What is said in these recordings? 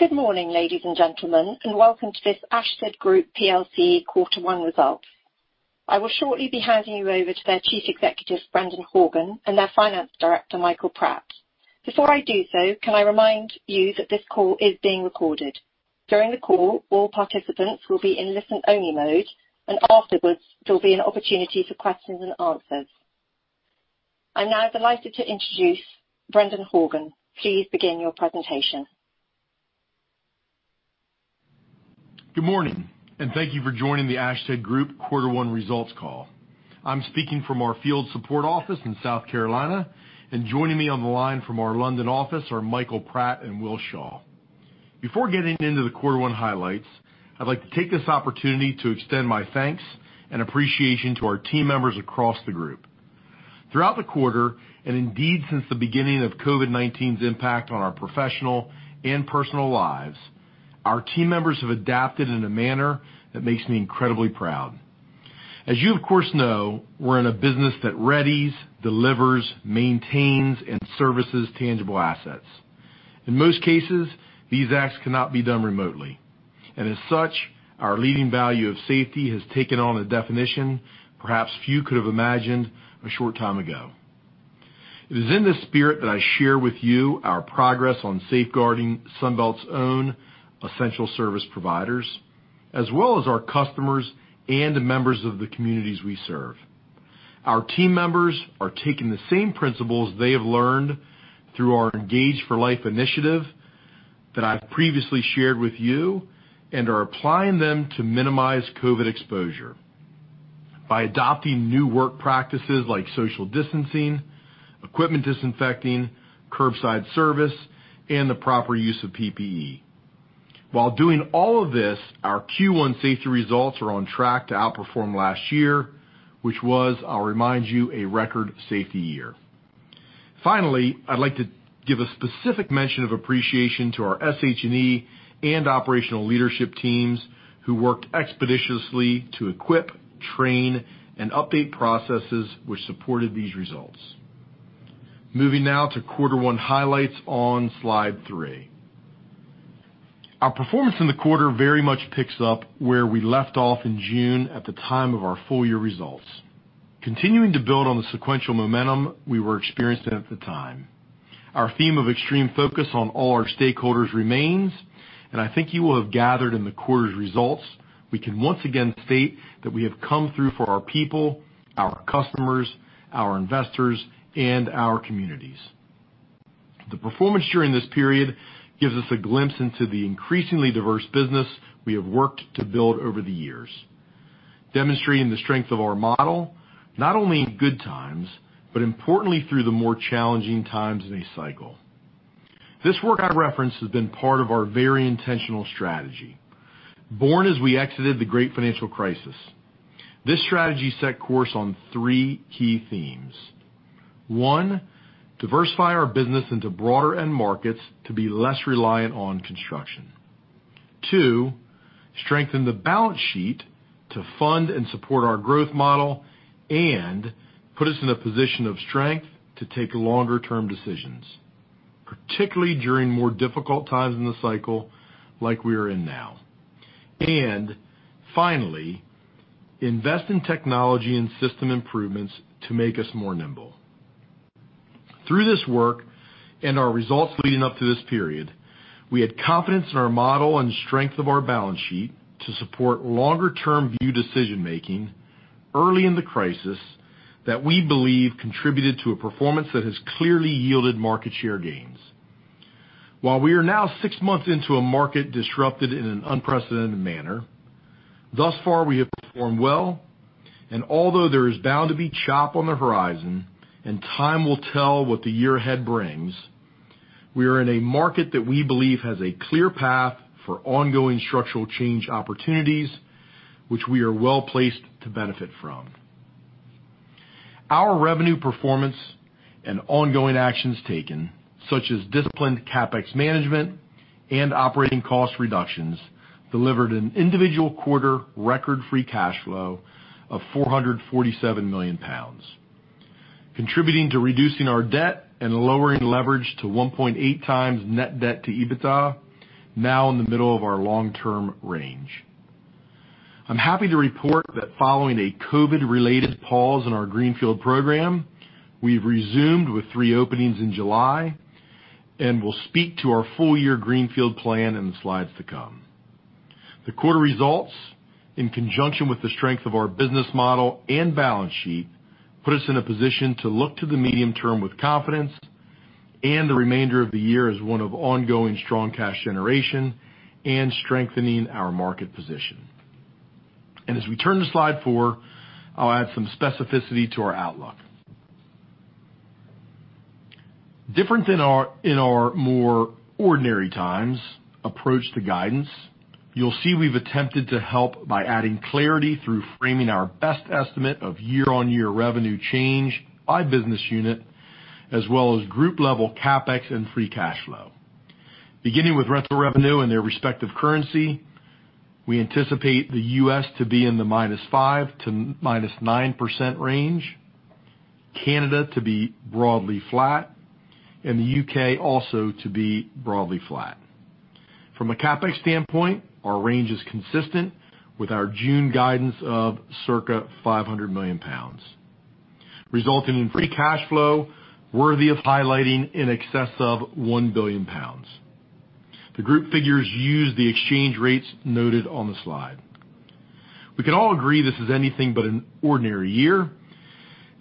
Good morning, ladies and gentlemen, and welcome to this Ashtead Group PLC quarter one results. I will shortly be handing you over to their Chief Executive, Brendan Horgan, and their Finance Director, Michael Pratt. Before I do so, can I remind you that this call is being recorded. During the call, all participants will be in listen-only mode, and afterwards, there'll be an opportunity for questions and answers. I'm now delighted to introduce Brendan Horgan. Please begin your presentation. Good morning. Thank you for joining the Ashtead Group quarter one results call. I'm speaking from our field support office in South Carolina. Joining me on the line from our London office are Michael Pratt and Will Shaw. Before getting into the quarter one highlights, I'd like to take this opportunity to extend my thanks and appreciation to our team members across the group. Throughout the quarter, indeed, since the beginning of COVID-19's impact on our professional and personal lives, our team members have adapted in a manner that makes me incredibly proud. As you of course know, we're in a business that readies, delivers, maintains, and services tangible assets. In most cases, these acts cannot be done remotely. As such, our leading value of safety has taken on a definition perhaps few could have imagined a short time ago. It is in this spirit that I share with you our progress on safeguarding Sunbelt's own essential service providers, as well as our customers and the members of the communities we serve. Our team members are taking the same principles they have learned through our Engage for Life initiative that I've previously shared with you and are applying them to minimize COVID exposure by adopting new work practices like social distancing, equipment disinfecting, curbside service, and the proper use of PPE. While doing all of this, our Q1 safety results are on track to outperform last year, which was, I'll remind you, a record safety year. Finally, I'd like to give a specific mention of appreciation to our SH&E and operational leadership teams who worked expeditiously to equip, train, and update processes which supported these results. Moving now to quarter one highlights on Slide three. Our performance in the quarter very much picks up where we left off in June at the time of our full-year results. Continuing to build on the sequential momentum we were experiencing at the time. Our theme of extreme focus on all our stakeholders remains, and I think you will have gathered in the quarter's results we can once again state that we have come through for our people, our customers, our investors, and our communities. The performance during this period gives us a glimpse into the increasingly diverse business we have worked to build over the years, demonstrating the strength of our model, not only in good times, but importantly, through the more challenging times in a cycle. This work I reference has been part of our very intentional strategy. Born as we exited the great financial crisis, this strategy set course on three key themes. One, diversify our business into broader end markets to be less reliant on construction. Two, strengthen the balance sheet to fund and support our growth model and put us in a position of strength to take longer-term decisions, particularly during more difficult times in the cycle like we are in now. Finally, invest in technology and system improvements to make us more nimble. Through this work and our results leading up to this period, we had confidence in our model and strength of our balance sheet to support longer-term view decision-making early in the crisis that we believe contributed to a performance that has clearly yielded market share gains. While we are now six months into a market disrupted in an unprecedented manner, thus far we have performed well. Although there is bound to be chop on the horizon and time will tell what the year ahead brings, we are in a market that we believe has a clear path for ongoing structural change opportunities, which we are well-placed to benefit from. Our revenue performance and ongoing actions taken, such as disciplined CapEx management and operating cost reductions, delivered an individual quarter record free cash flow of 447 million pounds, contributing to reducing our debt and lowering leverage to 1.8 times net debt to EBITDA, now in the middle of our long-term range. I'm happy to report that following a COVID-related pause in our greenfield program, we've resumed with three openings in July and will speak to our full-year greenfield plan in the slides to come. The quarter results, in conjunction with the strength of our business model and balance sheet, put us in a position to look to the medium term with confidence and the remainder of the year as one of ongoing strong cash generation and strengthening our market position. As we turn to slide four, I'll add some specificity to our outlook. Different than in our more ordinary times approach to guidance, you'll see we've attempted to help by adding clarity through framing our best estimate of year-over-year revenue change by business unit, as well as group-level CapEx and free cash flow. Beginning with rental revenue in their respective currency, we anticipate the U.S. to be in the -5% to -9% range, Canada to be broadly flat, and the U.K. also to be broadly flat. From a CapEx standpoint, our range is consistent with our June guidance of circa 500 million pounds, resulting in free cash flow worthy of highlighting in excess of 1 billion pounds. The group figures use the exchange rates noted on the slide. We can all agree this is anything but an ordinary year,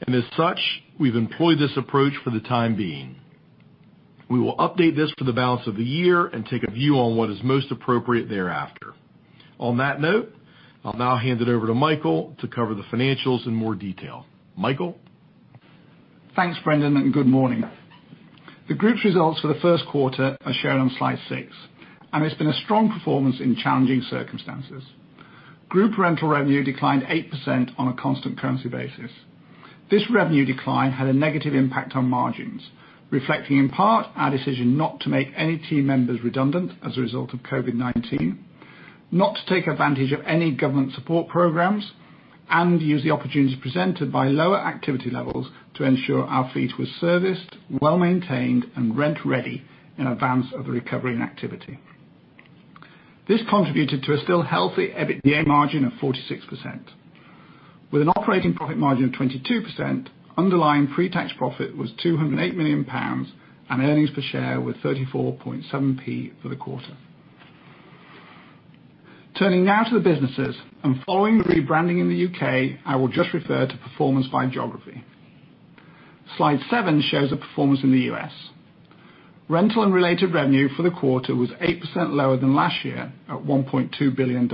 and as such, we've employed this approach for the time being. We will update this for the balance of the year and take a view on what is most appropriate thereafter. On that note, I'll now hand it over to Michael to cover the financials in more detail. Michael? Thanks, Brendan. Good morning. The group's results for the first quarter are shared on slide six. It's been a strong performance in challenging circumstances. Group rental revenue declined 8% on a constant currency basis. This revenue decline had a negative impact on margins, reflecting, in part, our decision not to make any team members redundant as a result of COVID-19, not to take advantage of any government support programs, and use the opportunities presented by lower activity levels to ensure our fleet was serviced, well-maintained, and rent-ready in advance of the recovery in activity. This contributed to a still healthy EBITDA margin of 46%. With an operating profit margin of 22%, underlying pre-tax profit was 208 million pounds. Earnings per share were 0.347 for the quarter. Turning now to the businesses. Following the rebranding in the U.K., I will just refer to performance by geography. Slide seven shows the performance in the U.S. Rental and related revenue for the quarter was 8% lower than last year at $1.2 billion.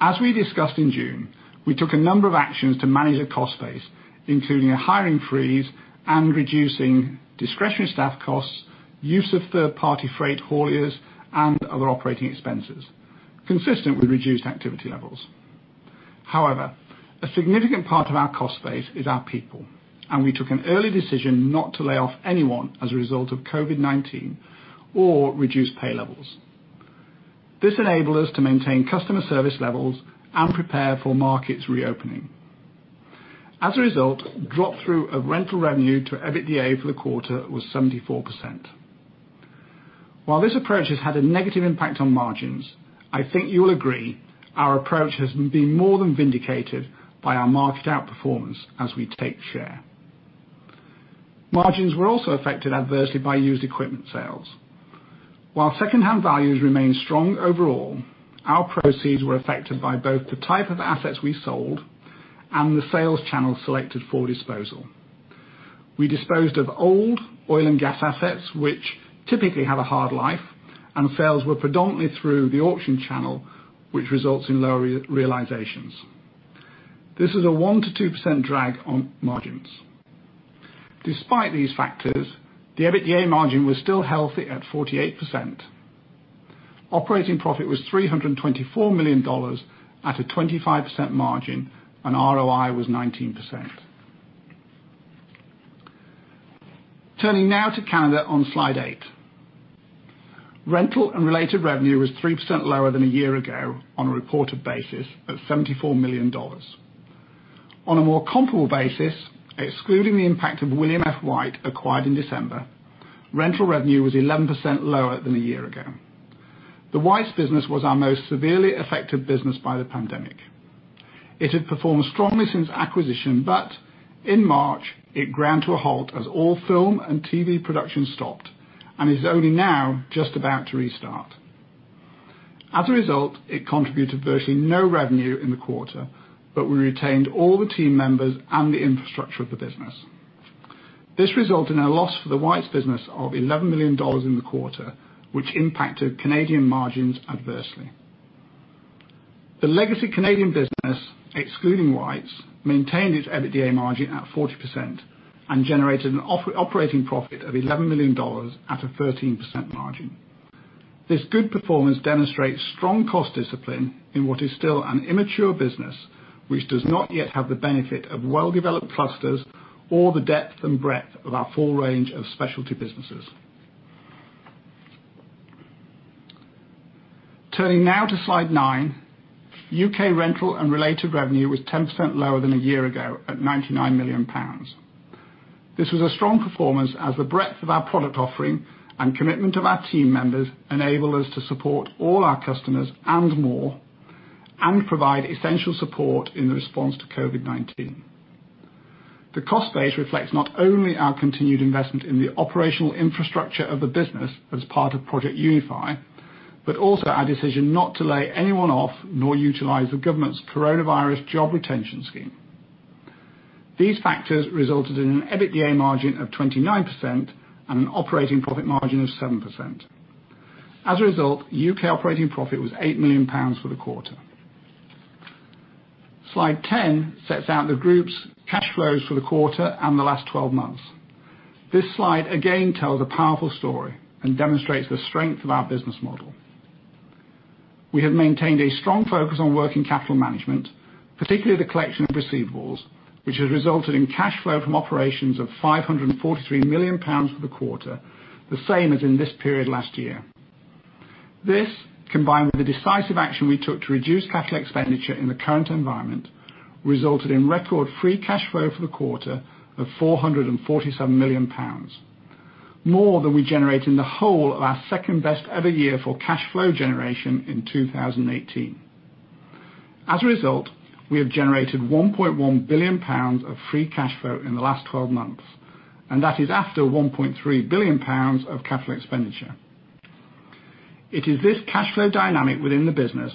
As we discussed in June, we took a number of actions to manage the cost base, including a hiring freeze and reducing discretionary staff costs, use of third-party freight haulers, and other operating expenses consistent with reduced activity levels. However, a significant part of our cost base is our people, and we took an early decision not to lay off anyone as a result of COVID-19 or reduce pay levels. This enabled us to maintain customer service levels and prepare for markets reopening. As a result, drop-through of rental revenue to EBITDA for the quarter was 74%. While this approach has had a negative impact on margins, I think you will agree, our approach has been more than vindicated by our market outperformance as we take share. Margins were also affected adversely by used equipment sales. While secondhand values remain strong overall, our proceeds were affected by both the type of assets we sold and the sales channel selected for disposal. We disposed of old oil and gas assets, which typically have a hard life, and sales were predominantly through the auction channel, which results in lower realizations. This is a 1%-2% drag on margins. Despite these factors, the EBITDA margin was still healthy at 48%. Operating profit was $324 million at a 25% margin, and ROI was 19%. Turning now to Canada on slide eight. Rental and related revenue was 3% lower than a year ago on a reported basis of $74 million. On a more comparable basis, excluding the impact of William F. White acquired in December, rental revenue was 11% lower than a year ago. The Whites business was our most severely affected business by the pandemic. It had performed strongly since acquisition, but in March, it ground to a halt as all film and TV production stopped and is only now just about to restart. As a result, it contributed virtually no revenue in the quarter, but we retained all the team members and the infrastructure of the business. This resulted in a loss for the Whites business of $11 million in the quarter, which impacted Canadian margins adversely. The legacy Canadian business, excluding Whites, maintained its EBITDA margin at 40% and generated an operating profit of $11 million at a 13% margin. This good performance demonstrates strong cost discipline in what is still an immature business, which does not yet have the benefit of well-developed clusters or the depth and breadth of our full range of specialty businesses. Turning now to slide nine. U.K. rental and related revenue was 10% lower than a year ago at 99 million pounds. This was a strong performance as the breadth of our product offering and commitment of our team members enable us to support all our customers and more and provide essential support in the response to COVID-19. The cost base reflects not only our continued investment in the operational infrastructure of the business as part of Project Unify, but also our decision not to lay anyone off nor utilize the government's Coronavirus Job Retention Scheme. These factors resulted in an EBITDA margin of 29% and an operating profit margin of 7%. As a result, U.K. operating profit was 8 million pounds for the quarter. Slide 10 sets out the group's cash flows for the quarter and the last 12 months. This slide again tells a powerful story and demonstrates the strength of our business model. We have maintained a strong focus on working capital management, particularly the collection of receivables, which has resulted in cash flow from operations of 543 million pounds for the quarter, the same as in this period last year. This, combined with the decisive action we took to reduce capital expenditure in the current environment, resulted in record free cash flow for the quarter of 447 million pounds, more than we generated in the whole of our second-best-ever year for cash flow generation in 2018. As a result, we have generated 1.1 billion pounds of free cash flow in the last 12 months, and that is after 1.3 billion pounds of capital expenditure. It is this cash flow dynamic within the business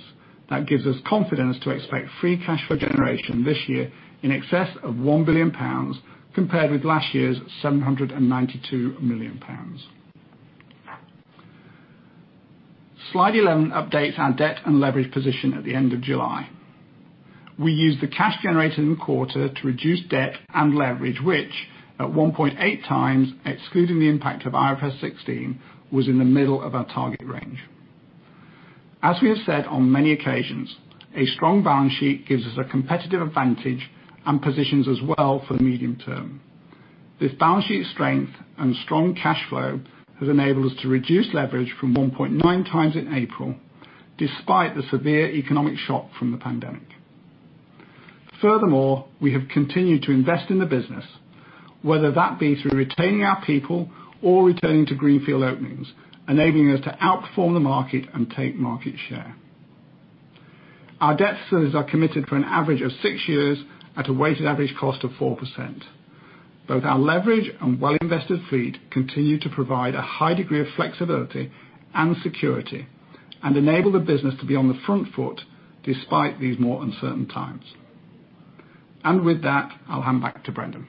that gives us confidence to expect free cash flow generation this year in excess of 1 billion pounds, compared with last year's 792 million pounds. Slide 11 updates our debt and leverage position at the end of July. We used the cash generated in the quarter to reduce debt and leverage, which at 1.8 times, excluding the impact of IFRS 16, was in the middle of our target range. As we have said on many occasions, a strong balance sheet gives us a competitive advantage and positions us well for the medium term. This balance sheet strength and strong cash flow has enabled us to reduce leverage from 1.9 times in April, despite the severe economic shock from the pandemic. Furthermore, we have continued to invest in the business, whether that be through retaining our people or returning to greenfield openings, enabling us to outperform the market and take market share. Our debt facilities are committed for an average of six years at a weighted average cost of 4%. Both our leverage and well-invested fleet continue to provide a high degree of flexibility and security and enable the business to be on the front foot despite these more uncertain times. With that, I'll hand back to Brendan.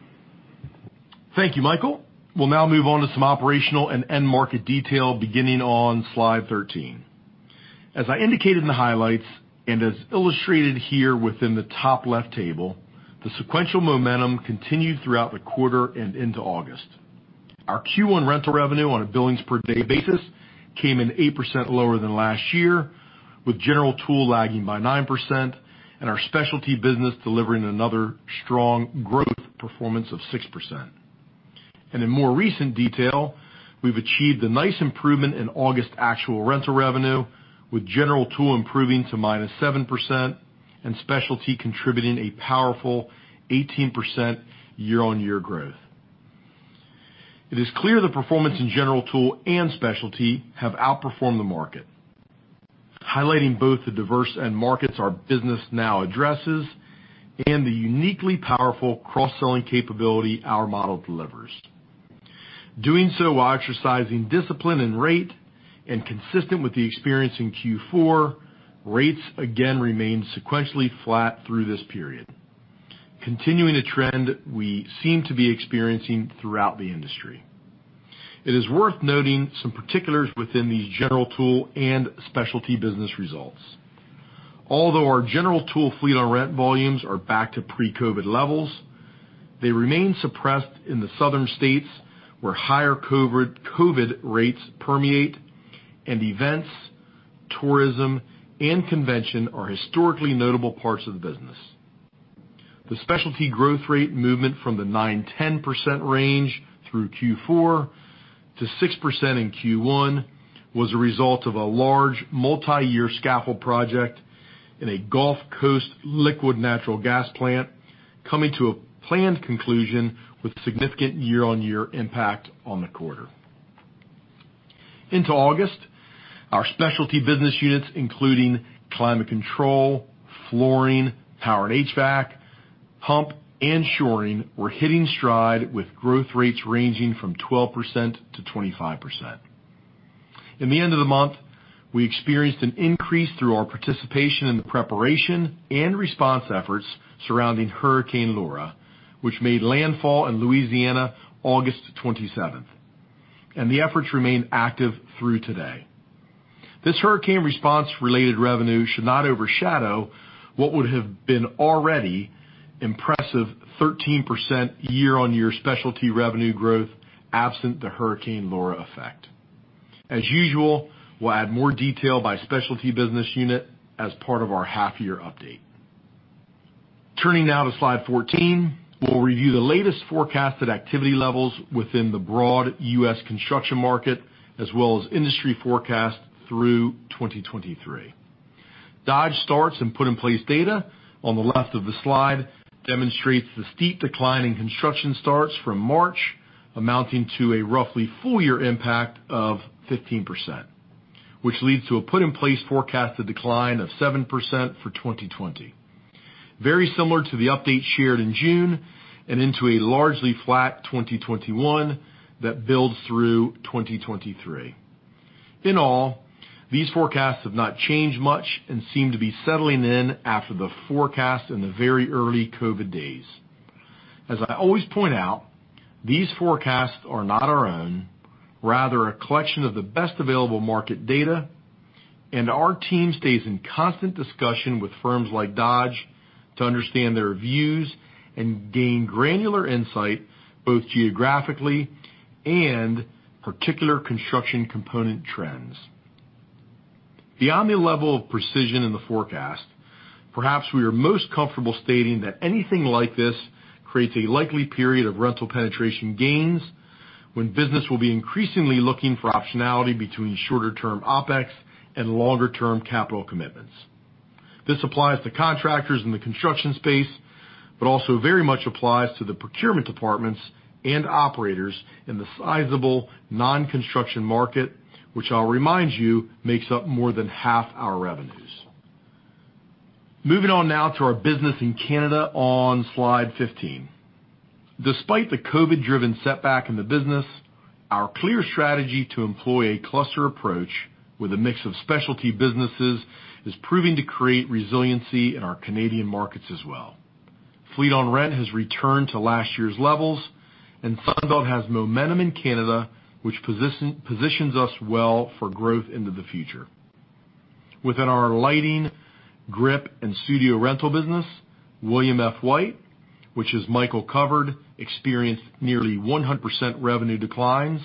Thank you, Michael. We'll now move on to some operational and end market detail beginning on slide 13. As I indicated in the highlights, as illustrated here within the top left table, the sequential momentum continued throughout the quarter and into August. Our Q1 rental revenue on a billings per day basis came in 8% lower than last year, with general tool lagging by 9% and our specialty business delivering another strong growth performance of 6%. In more recent detail, we've achieved a nice improvement in August actual rental revenue, with general tool improving to minus 7% and specialty contributing a powerful 18% year-on-year growth. It is clear the performance in general tool and specialty have outperformed the market, highlighting both the diverse end markets our business now addresses and the uniquely powerful cross-selling capability our model delivers. Doing so while exercising discipline and rate and consistent with the experience in Q4, rates again remained sequentially flat through this period, continuing a trend we seem to be experiencing throughout the industry. It is worth noting some particulars within these general tool and specialty business results. Although our general tool fleet on rent volumes are back to pre-COVID-19 levels, they remain suppressed in the southern states where higher COVID-19 rates permeate and events, tourism, and convention are historically notable parts of the business. The specialty growth rate movement from the 9%-10% range through Q4 to 6% in Q1 was a result of a large multi-year scaffold project in a Gulf Coast liquid natural gas plant coming to a planned conclusion with significant year-on-year impact on the quarter. Into August, our specialty business units, including climate control, flooring, [power and] HVAC, pump, and shoring, were hitting stride with growth rates ranging from 12%-25%. In the end of the month, we experienced an increase through our participation in the preparation and response efforts surrounding Hurricane Laura, which made landfall in Louisiana August 27th, and the efforts remain active through today. This hurricane response-related revenue should not overshadow what would have been already impressive 13% year-on-year specialty revenue growth absent the Hurricane Laura effect. As usual, we'll add more detail by specialty business unit as part of our half-year update. Turning now to slide 14, we'll review the latest forecasted activity levels within the broad U.S. construction market, as well as industry forecast through 2023. Dodge starts put in place data on the left of the slide demonstrates the steep decline in construction starts from March, amounting to a roughly full-year impact of 15%, which leads to a put in place forecasted decline of 7% for 2020. Very similar to the update shared in June into a largely flat 2021 that builds through 2023. In all, these forecasts have not changed much and seem to be settling in after the forecast in the very early COVID days. As I always point out, these forecasts are not our own, rather a collection of the best available market data, our team stays in constant discussion with firms like Dodge to understand their views and gain granular insight both geographically and particular construction component trends. Beyond the level of precision in the forecast, perhaps we are most comfortable stating that anything like this creates a likely period of rental penetration gains, when business will be increasingly looking for optionality between shorter-term OpEx and longer-term capital commitments. This applies to contractors in the construction space, but also very much applies to the procurement departments and operators in the sizable non-construction market, which I'll remind you, makes up more than half our revenues. Moving on now to our business in Canada on slide 15. Despite the COVID-driven setback in the business, our clear strategy to employ a cluster approach with a mix of specialty businesses is proving to create resiliency in our Canadian markets as well. Fleet on rent has returned to last year's levels, and Sunbelt has momentum in Canada, which positions us well for growth into the future. Within our lighting, grip, and studio rental business, William F. White, which is Michael covered, experienced nearly 100% revenue declines.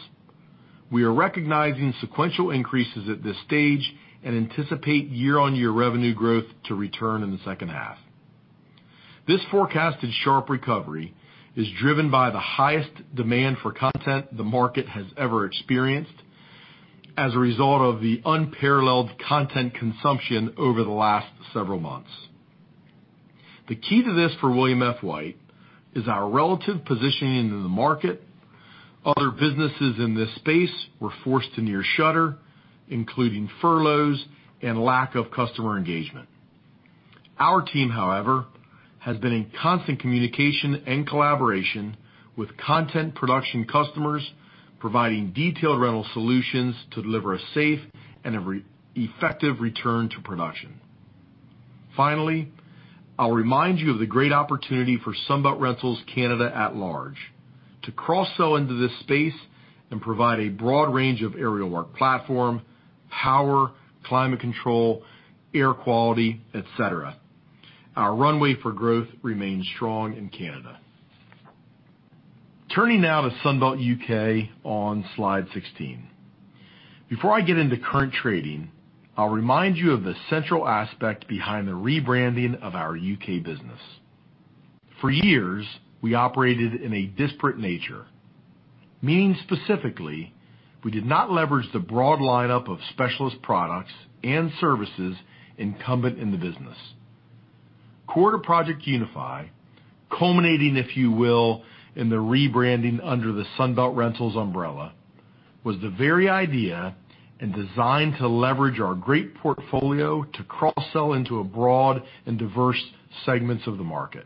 We are recognizing sequential increases at this stage and anticipate year-on-year revenue growth to return in the second half. This forecasted sharp recovery is driven by the highest demand for content the market has ever experienced as a result of the unparalleled content consumption over the last several months. The key to this for William F. White is our relative positioning in the market. Other businesses in this space were forced to near shutter, including furloughs and lack of customer engagement. Our team, however, has been in constant communication and collaboration with content production customers, providing detailed rental solutions to deliver a safe and effective return to production. Finally, I'll remind you of the great opportunity for Sunbelt Rentals Canada at large to cross-sell into this space and provide a broad range of aerial work platform, power, climate control, air quality, et cetera. Our runway for growth remains strong in Canada. Turning now to Sunbelt U.K. on slide 16. Before I get into current trading, I'll remind you of the central aspect behind the rebranding of our U.K. business. For years, we operated in a disparate nature, meaning specifically, we did not leverage the broad lineup of specialist products and services incumbent in the business. Core to Project Unify, culminating, if you will, in the rebranding under the Sunbelt Rentals umbrella, was the very idea and design to leverage our great portfolio to cross-sell into a broad and diverse segments of the market.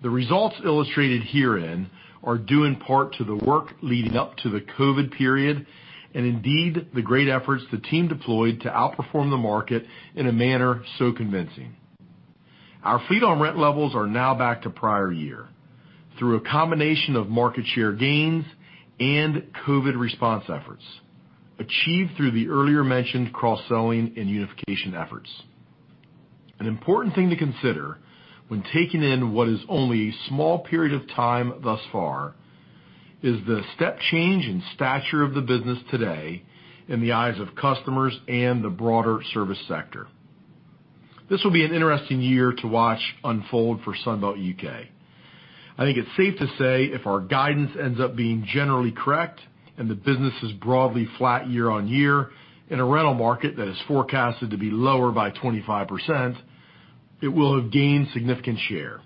The results illustrated herein are due in part to the work leading up to the COVID period and indeed, the great efforts the team deployed to outperform the market in a manner so convincing. Our fleet on rent levels are now back to prior year through a combination of market share gains and COVID response efforts achieved through the earlier mentioned cross-selling and unification efforts. An important thing to consider when taking in what is only a small period of time thus far is the step change in stature of the business today in the eyes of customers and the broader service sector. This will be an interesting year to watch unfold for Sunbelt UK. I think it's safe to say if our guidance ends up being generally correct and the business is broadly flat year-over-year in a rental market that is forecasted to be lower by 25%, it will have gained significant share.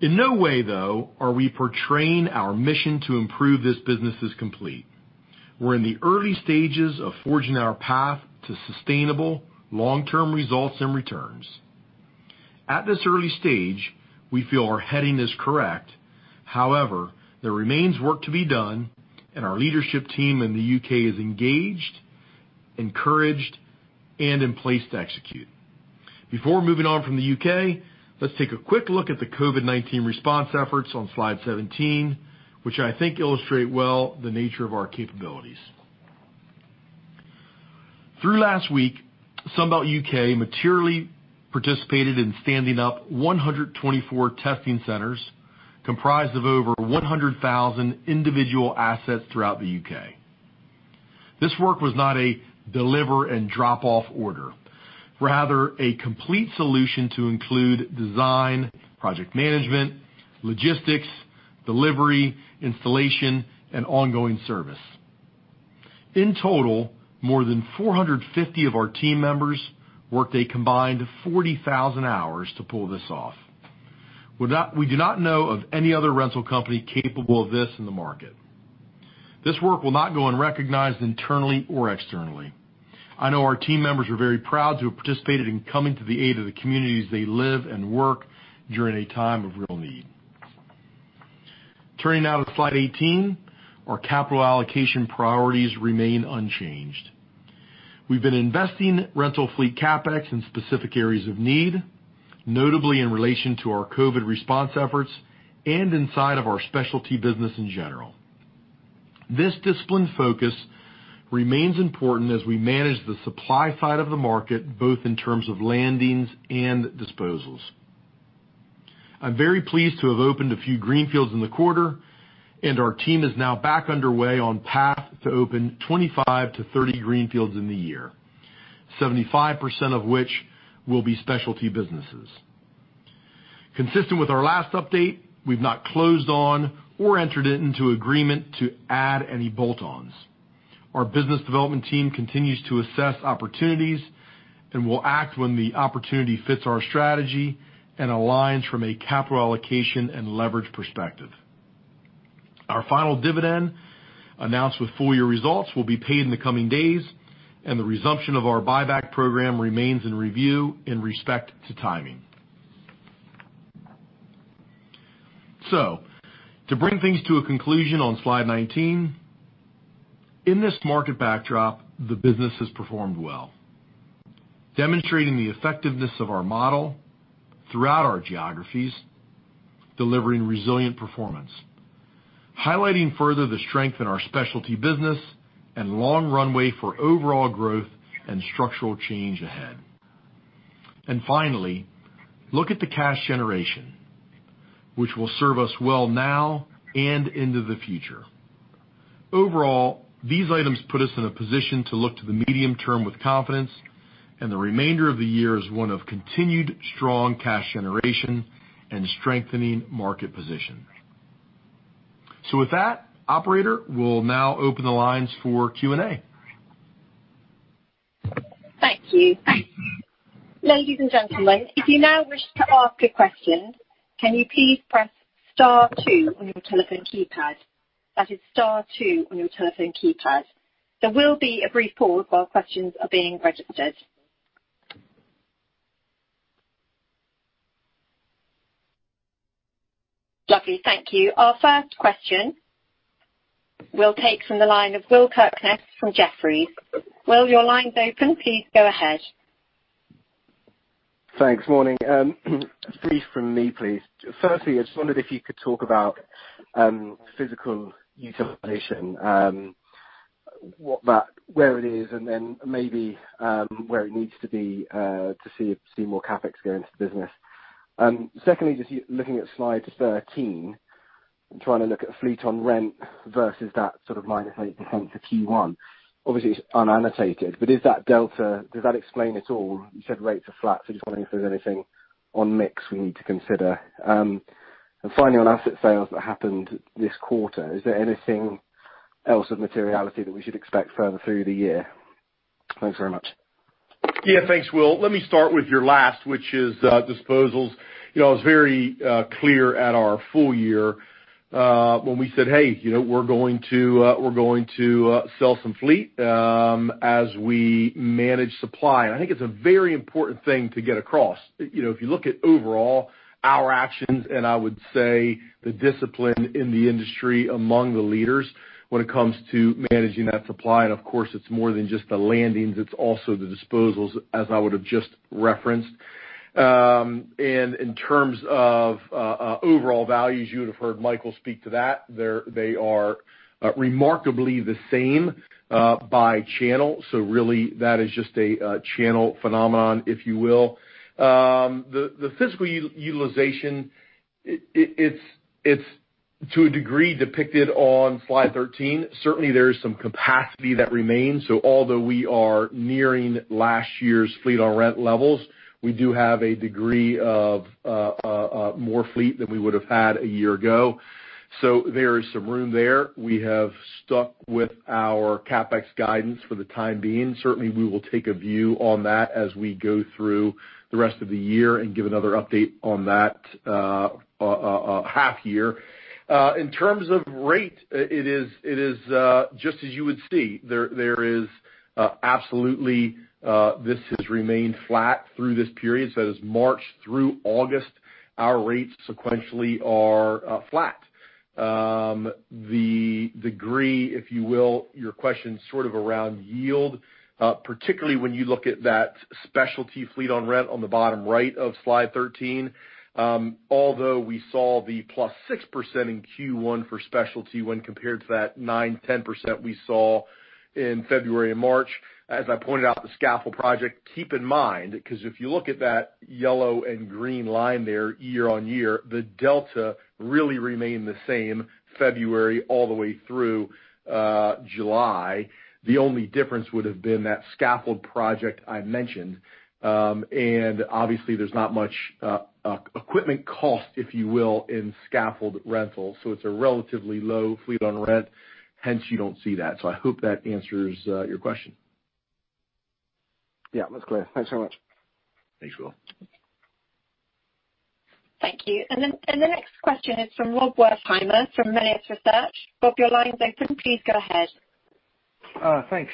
In no way, though, are we portraying our mission to improve this business is complete. We're in the early stages of forging our path to sustainable long-term results and returns. At this early stage, we feel our heading is correct. However, there remains work to be done and our leadership team in the U.K. is engaged, encouraged, and in place to execute. Before moving on from the U.K., let's take a quick look at the COVID-19 response efforts on slide 17, which I think illustrate well the nature of our capabilities. Through last week, Sunbelt UK materially participated in standing up 124 testing centers comprised of over 100,000 individual assets throughout the U.K. This work was not a deliver and drop-off order. Rather, a complete solution to include design, project management, logistics, delivery, installation, and ongoing service. In total, more than 450 of our team members worked a combined 40,000 hours to pull this off. We do not know of any other rental company capable of this in the market. This work will not go unrecognized internally or externally. I know our team members are very proud to have participated in coming to the aid of the communities they live and work during a time of real need. Turning now to slide 18, our capital allocation priorities remain unchanged. We've been investing rental fleet CapEx in specific areas of need, notably in relation to our COVID-19 response efforts and inside of our specialty business in general. This disciplined focus remains important as we manage the supply side of the market, both in terms of landings and disposals. I'm very pleased to have opened a few greenfields in the quarter, and our team is now back underway on path to open 25 to 30 greenfields in the year, 75% of which will be specialty businesses. Consistent with our last update, we've not closed on or entered into agreement to add any bolt-ons. Our business development team continues to assess opportunities and will act when the opportunity fits our strategy and aligns from a capital allocation and leverage perspective. Our final dividend, announced with full-year results, will be paid in the coming days, and the resumption of our buyback program remains in review in respect to timing. To bring things to a conclusion on slide 19, in this market backdrop, the business has performed well, demonstrating the effectiveness of our model throughout our geographies, delivering resilient performance, highlighting further the strength in our specialty business and long runway for overall growth and structural change ahead. Finally, look at the cash generation, which will serve us well now and into the future. Overall, these items put us in a position to look to the medium term with confidence, and the remainder of the year is one of continued strong cash generation and strengthening market position. With that, operator, we'll now open the lines for Q&A. Thank you. Ladies and gentlemen, if you now wish to ask a question, can you please press star two on your telephone keypad? That is star two on your telephone keypad. There will be a brief pause while questions are being registered. Lovely. Thank you. Our first question we will take from the line of Will Kirkness from Jefferies. Will, your line is open. Please go ahead. Thanks. Morning. Three from me, please. Firstly, I just wondered if you could talk about physical utilization, where it is, and then maybe where it needs to be to see more CapEx go into the business. Secondly, just looking at slide 13, I'm trying to look at fleet on rent versus that -8% for Q1. Obviously, it's unannotated, but is that delta, does that explain it all? You said rates are flat, just wondering if there's anything on mix we need to consider. Finally, on asset sales that happened this quarter, is there anything else of materiality that we should expect further through the year? Thanks very much. Thanks, Will. Let me start with your last, which is disposals. I was very clear at our full year when we said, "Hey, we're going to sell some fleet as we manage supply." I think it's a very important thing to get across. If you look at overall our actions, and I would say the discipline in the industry among the leaders when it comes to managing that supply, and of course, it's more than just the landings, it's also the disposals, as I would have just referenced. In terms of overall values, you would have heard Michael speak to that. They are remarkably the same by channel. Really, that is just a channel phenomenon, if you will. The physical utilization, it's to a degree depicted on slide 13. Certainly, there is some capacity that remains. Although we are nearing last year's fleet-on-rent levels, we do have a degree of more fleet than we would have had a year ago. There is some room there. We have stuck with our CapEx guidance for the time being. Certainly, we will take a view on that as we go through the rest of the year and give another update on that half year. In terms of rate, it is just as you would see. There is absolutely, this has remained flat through this period. That is March through August, our rates sequentially are flat. The degree, if you will, your question is sort of around yield, particularly when you look at that specialty fleet on rent on the bottom right of slide 13. Although we saw the +6% in Q1 for specialty when compared to that 9%, 10% we saw in February and March, as I pointed out the scaffold project, keep in mind, because if you look at that yellow and green line there year-on-year, the delta really remained the same February all the way through July. The only difference would have been that scaffold project I mentioned. Obviously, there's not much equipment cost, if you will, in scaffold rental. It's a relatively low fleet on rent, hence you don't see that. I hope that answers your question. Yeah, that's clear. Thanks so much. Thanks, Will. Thank you. The next question is from Rob Wertheimer from Melius Research. Rob, your line is open. Please go ahead. Thanks.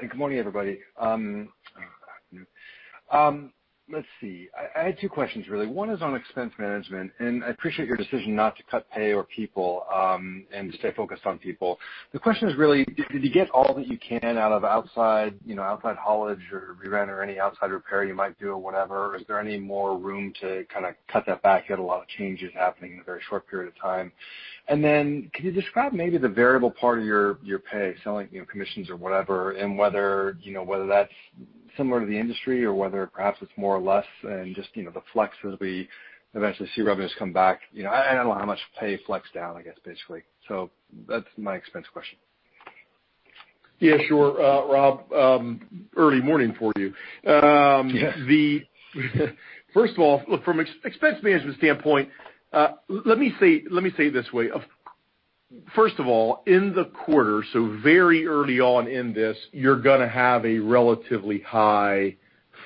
Good morning, everybody. Afternoon. Let's see. I had two questions, really. One is on expense management. I appreciate your decision not to cut pay or people and stay focused on people. The question is really, did you get all that you can out of outside haulage or re-rent or any outside repair you might do or whatever? Is there any more room to kind of cut that back? You had a lot of changes happening in a very short period of time. Could you describe maybe the variable part of your pay, selling commissions or whatever, and whether that's similar to the industry or whether perhaps it's more or less and just the flex as we eventually see revenues come back. I don't know how much pay flex down, I guess, basically. That's my expense question. Yeah, sure Rob. Early morning for you. Yeah. First of all, from expense management standpoint let me say it this way. First of all, in the quarter, so very early on in this, you're going to have a relatively high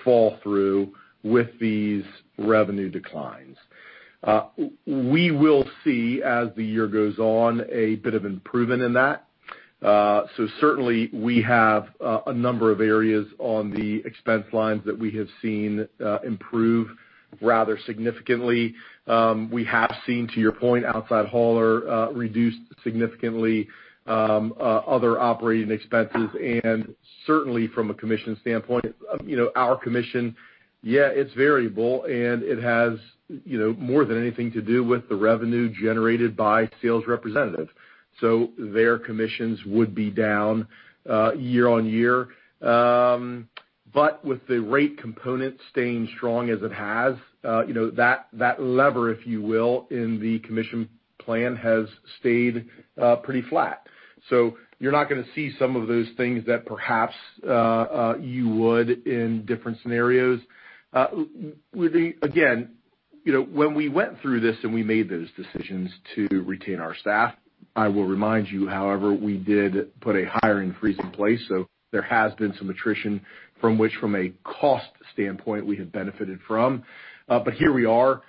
fall through with these revenue declines. We will see, as the year goes on, a bit of improvement in that. Certainly we have a number of areas on the expense lines that we have seen improve rather significantly. We have seen, to your point, outside hauler reduced significantly other operating expenses and certainly from a commission standpoint, our commission, yeah, it's variable and it has more than anything to do with the revenue generated by sales representatives. Their commissions would be down year-on-year. With the rate component staying strong as it has, that lever, if you will, in the commission plan has stayed pretty flat. You're not going to see some of those things that perhaps you would in different scenarios. Again, when we went through this and we made those decisions to retain our staff, I will remind you, however, we did put a hiring freeze in place, so there has been some attrition from which from a cost standpoint, we have benefited from. Here we are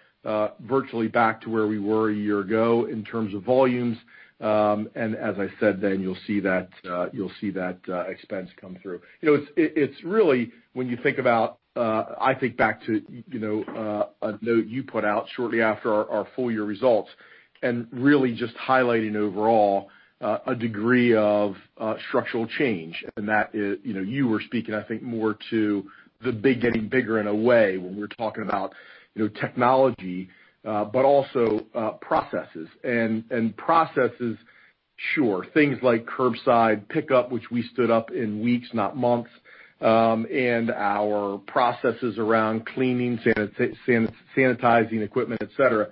virtually back to where we were a year ago in terms of volumes. As I said then, you'll see that expense come through. It's really when you think about I think back to a note you put out shortly after our full year results and really just highlighting overall a degree of structural change. You were speaking, I think, more to the big getting bigger in a way when we're talking about technology but also processes. Processes, sure, things like curbside pickup, which we stood up in weeks, not months and our processes around cleaning, sanitizing equipment, et cetera.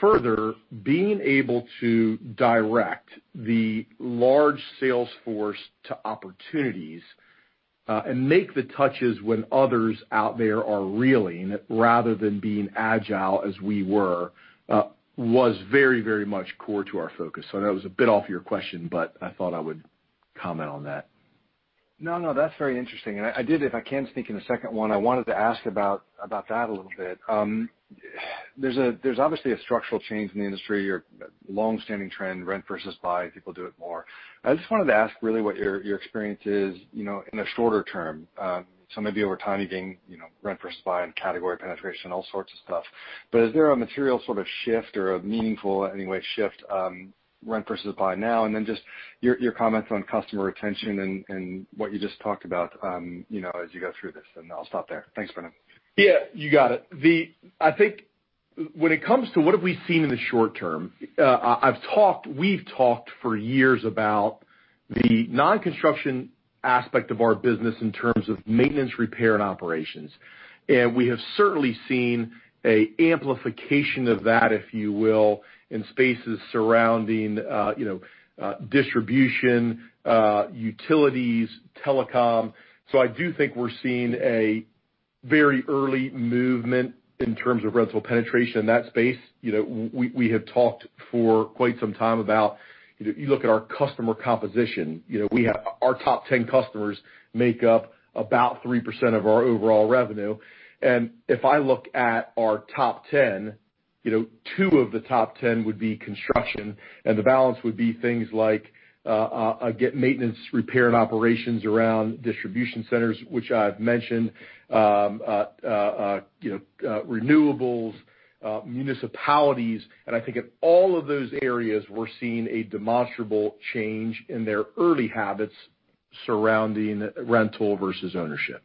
Further, being able to direct the large sales force to opportunities and make the touches when others out there are reeling rather than being agile as we were was very, very much core to our focus. That was a bit off your question, but I thought I would comment on that. No, that's very interesting. I did, if I can speak on the second one, I wanted to ask about that a little bit. There's obviously a structural change in the industry, your longstanding trend, rent versus buy, people do it more. I just wanted to ask really what your experience is in the shorter term. Maybe over time you're getting rent versus buy and category penetration, all sorts of stuff. Is there a material sort of shift or a meaningful anyway shift rent versus buy now? Then just your comments on customer retention and what you just talked about as you go through this, and I'll stop there. Thanks, Brendan. Yeah, you got it. I think when it comes to what have we seen in the short term, we've talked for years about the non-construction aspect of our business in terms of maintenance, repair, and operations. We have certainly seen a amplification of that, if you will, in spaces surrounding distribution, utilities, telecom. I do think we're seeing a very early movement in terms of rental penetration in that space. We have talked for quite some time. You look at our customer composition. Our top 10 customers make up about 3% of our overall revenue. If I look at our top 10, two of the top 10 would be construction and the balance would be things like maintenance, repair, and operations around distribution centers, which I've mentioned, renewables, municipalities. I think in all of those areas, we're seeing a demonstrable change in their early habits surrounding rental versus ownership.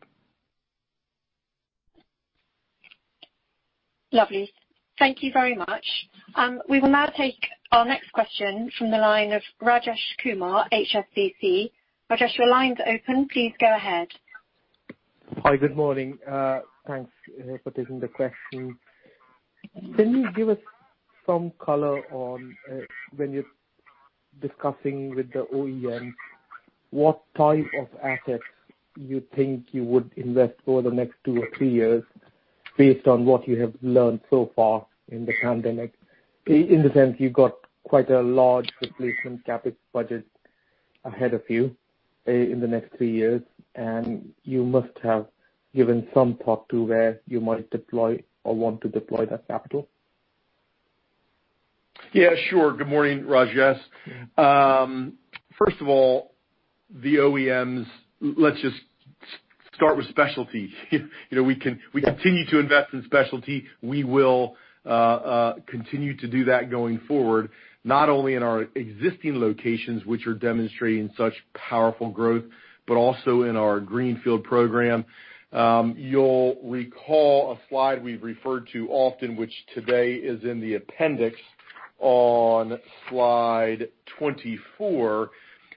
Lovely. Thank you very much. We will now take our next question from the line of Rajesh Kumar, HSBC. Rajesh, your line's open. Please go ahead. Hi, good morning. Thanks for taking the question. Can you give us some color on when you're discussing with the OEM, what type of assets you think you would invest over the next two or three years based on what you have learned so far in the pandemic? In the sense you've got quite a large replacement CapEx budget ahead of you in the next three years, you must have given some thought to where you might deploy or want to deploy that capital. Yeah, sure. Good morning, Rajesh. First of all, the OEMs, let's just start with specialty. We continue to invest in specialty. We will continue to do that going forward, not only in our existing locations, which are demonstrating such powerful growth, but also in our greenfield program. You'll recall a slide we've referred to often, which today is in the appendix on slide 24,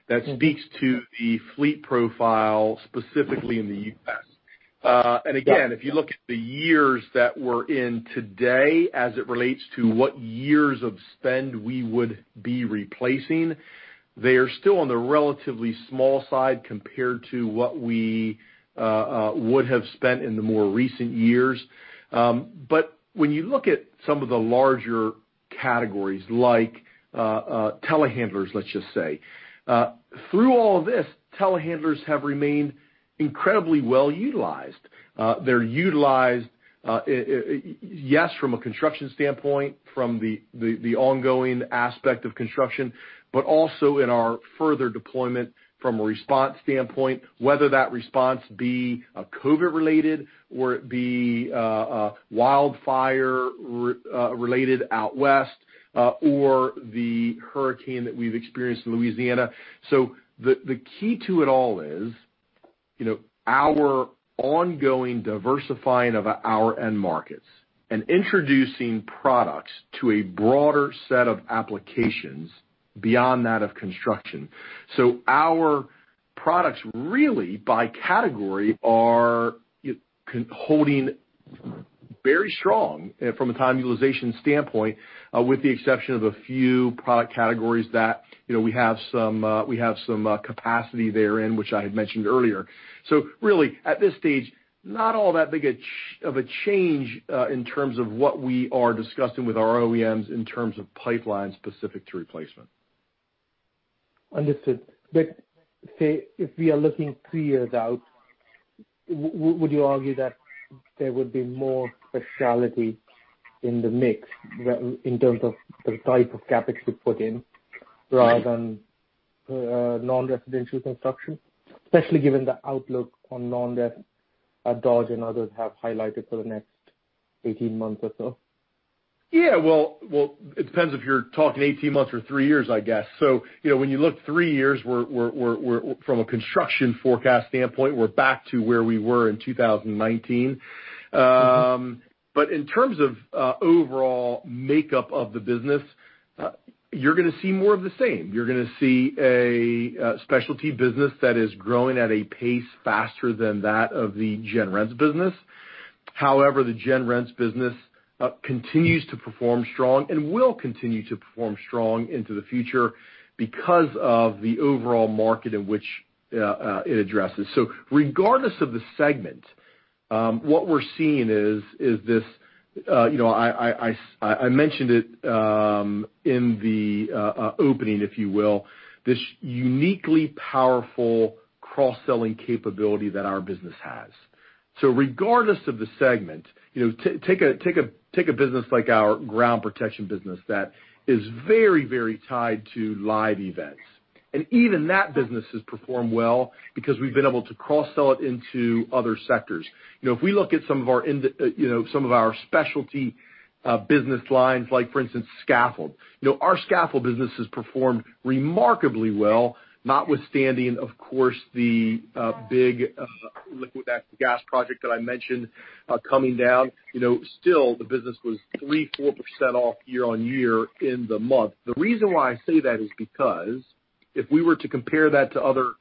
that speaks to the fleet profile specifically in the U.S. Again, if you look at the years that we're in today as it relates to what years of spend we would be replacing, they are still on the relatively small side compared to what we would have spent in the more recent years. When you look at some of the larger categories, like telehandlers, let's just say. Through all of this, telehandlers have remained incredibly well-utilized. They're utilized, yes, from a construction standpoint, from the ongoing aspect of construction, but also in our further deployment from a response standpoint, whether that response be COVID related or it be wildfire related out west or the hurricane that we've experienced in Louisiana. The key to it all is our ongoing diversifying of our end markets and introducing products to a broader set of applications beyond that of construction. Our products really, by category, are holding very strong from a time utilization standpoint, with the exception of a few product categories that we have some capacity there in which I had mentioned earlier. Really at this stage, not all that big of a change in terms of what we are discussing with our OEMs in terms of pipeline specific to replacement. Understood. Say, if we are looking three years out, would you argue that there would be more speciality in the mix in terms of the type of CapEx we put in rather than non-residential construction? Especially given the outlook on non-res that Dodge and others have highlighted for the next 18 months or so. Yeah. Well, it depends if you're talking 18 months or three years, I guess. When you look three years, from a construction forecast standpoint, we're back to where we were in 2019. In terms of overall makeup of the business, you're going to see more of the same. You're going to see a specialty business that is growing at a pace faster than that of the gen rents business. However, the gen rents business continues to perform strong and will continue to perform strong into the future because of the overall market in which it addresses. Regardless of the segment, what we're seeing is this, I mentioned it in the opening if you will, this uniquely powerful cross-selling capability that our business has. Regardless of the segment, take a business like our ground protection business that is very tied to live events. Even that business has performed well because we've been able to cross-sell it into other sectors. If we look at some of our specialty business lines, like for instance, scaffold. Our scaffold business has performed remarkably well, notwithstanding, of course, the big liquid natural gas project that I mentioned coming down. Still, the business was 3%, 4% off year-on-year in the month. The reason why I say that is because if we were to compare that to other,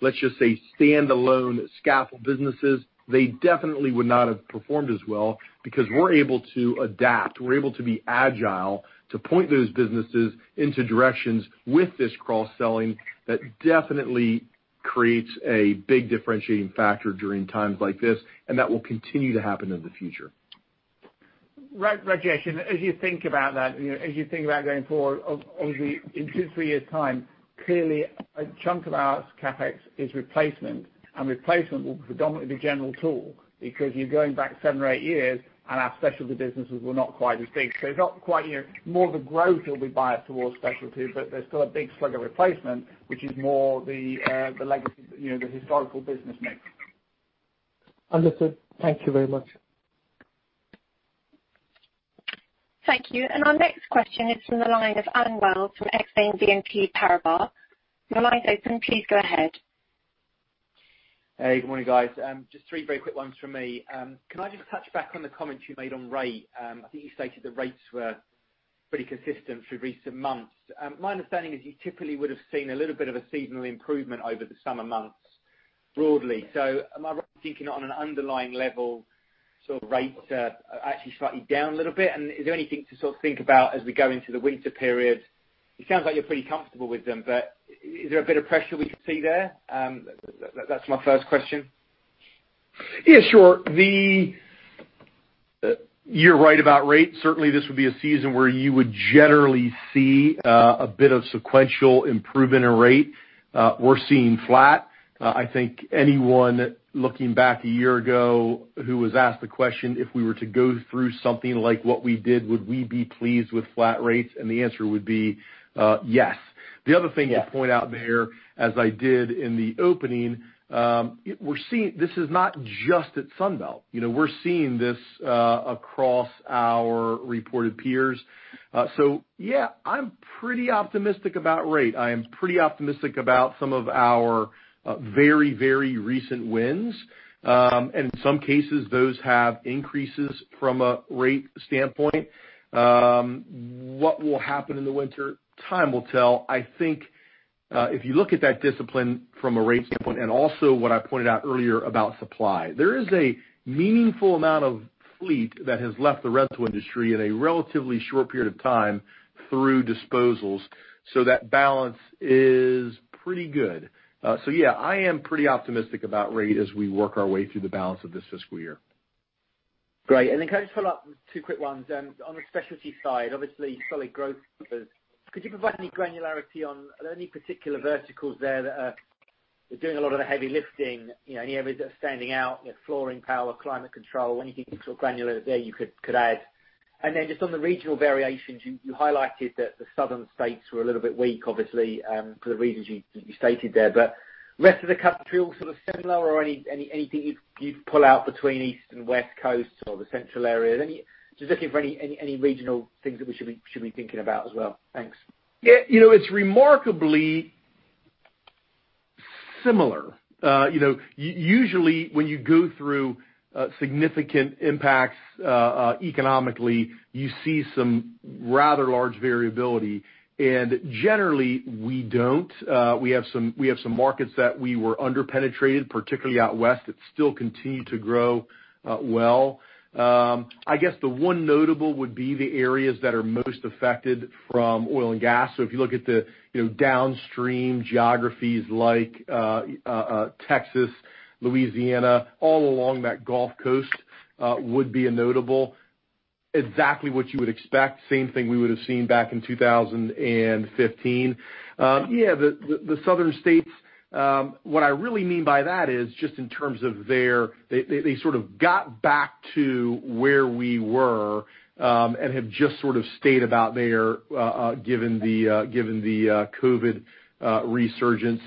let's just say, standalone scaffold businesses, they definitely would not have performed as well because we're able to adapt. We're able to be agile to point those businesses into directions with this cross-selling that definitely creates a big differentiating factor during times like this, and that will continue to happen in the future. Right, Rajesh, as you think about that, as you think about going forward in two, three years' time, clearly a chunk of our CapEx is replacement, and replacement will predominantly be general tool because you're going back seven or eight years and our specialty businesses were not quite as big. More of the growth will be biased towards specialty, but there's still a big slug of replacement, which is more the legacy, the historical business mix. Understood. Thank you very much. Thank you. Our next question is from the line of [Allen Wells] from Exane BNP Paribas. Your line's open. Please go ahead. Hey, good morning, guys. Just three very quick ones from me. Can I just touch back on the comments you made on rate? I think you stated the rates were pretty consistent through recent months. My understanding is you typically would have seen a little bit of a seasonal improvement over the summer months broadly. Am I right in thinking on an underlying level sort of rates are actually slightly down a little bit? Is there anything to sort of think about as we go into the winter period? It sounds like you're pretty comfortable with them, but is there a bit of pressure we could see there? That's my first question. Yeah, sure. You're right about rate. Certainly, this would be a season where you would generally see a bit of sequential improvement in rate. We're seeing flat. I think anyone looking back a year ago who was asked the question, if we were to go through something like what we did, would we be pleased with flat rates? The answer would be yes. The other thing I'd point out there, as I did in the opening, this is not just at Sunbelt. We're seeing this across our reported peers. Yeah, I'm pretty optimistic about rate. I am pretty optimistic about some of our very recent wins. In some cases, those have increases from a rate standpoint. What will happen in the winter? Time will tell. If you look at that discipline from a rate standpoint, and also what I pointed out earlier about supply. There is a meaningful amount of fleet that has left the rental industry in a relatively short period of time through disposals, so that balance is pretty good. Yeah, I am pretty optimistic about rate as we work our way through the balance of this fiscal year. Great. Can I just follow up with two quick ones? On the specialty side, obviously solid growth numbers. Could you provide any granularity on any particular verticals there that are doing a lot of the heavy lifting? Any areas that are standing out, flooring, power, climate control? Anything sort of granular there you could add? Just on the regional variations, you highlighted that the southern states were a little bit weak, obviously, for the reasons you stated there. Rest of the country all sort of similar or anything you'd pull out between East and West Coasts or the central area? Just looking for any regional things that we should be thinking about as well. Thanks. Yeah. It's remarkably similar. Usually when you go through significant impacts economically, you see some rather large variability. Generally, we don't. We have some markets that we were under-penetrated, particularly out West, that still continue to grow well. I guess the one notable would be the areas that are most affected from oil and gas. If you look at the downstream geographies like Texas, Louisiana, all along that Gulf Coast would be a notable. Exactly what you would expect. Same thing we would've seen back in 2015. Yeah, the southern states, what I really mean by that is just in terms of They sort of got back to where we were, and have just sort of stayed about there given the COVID resurgence.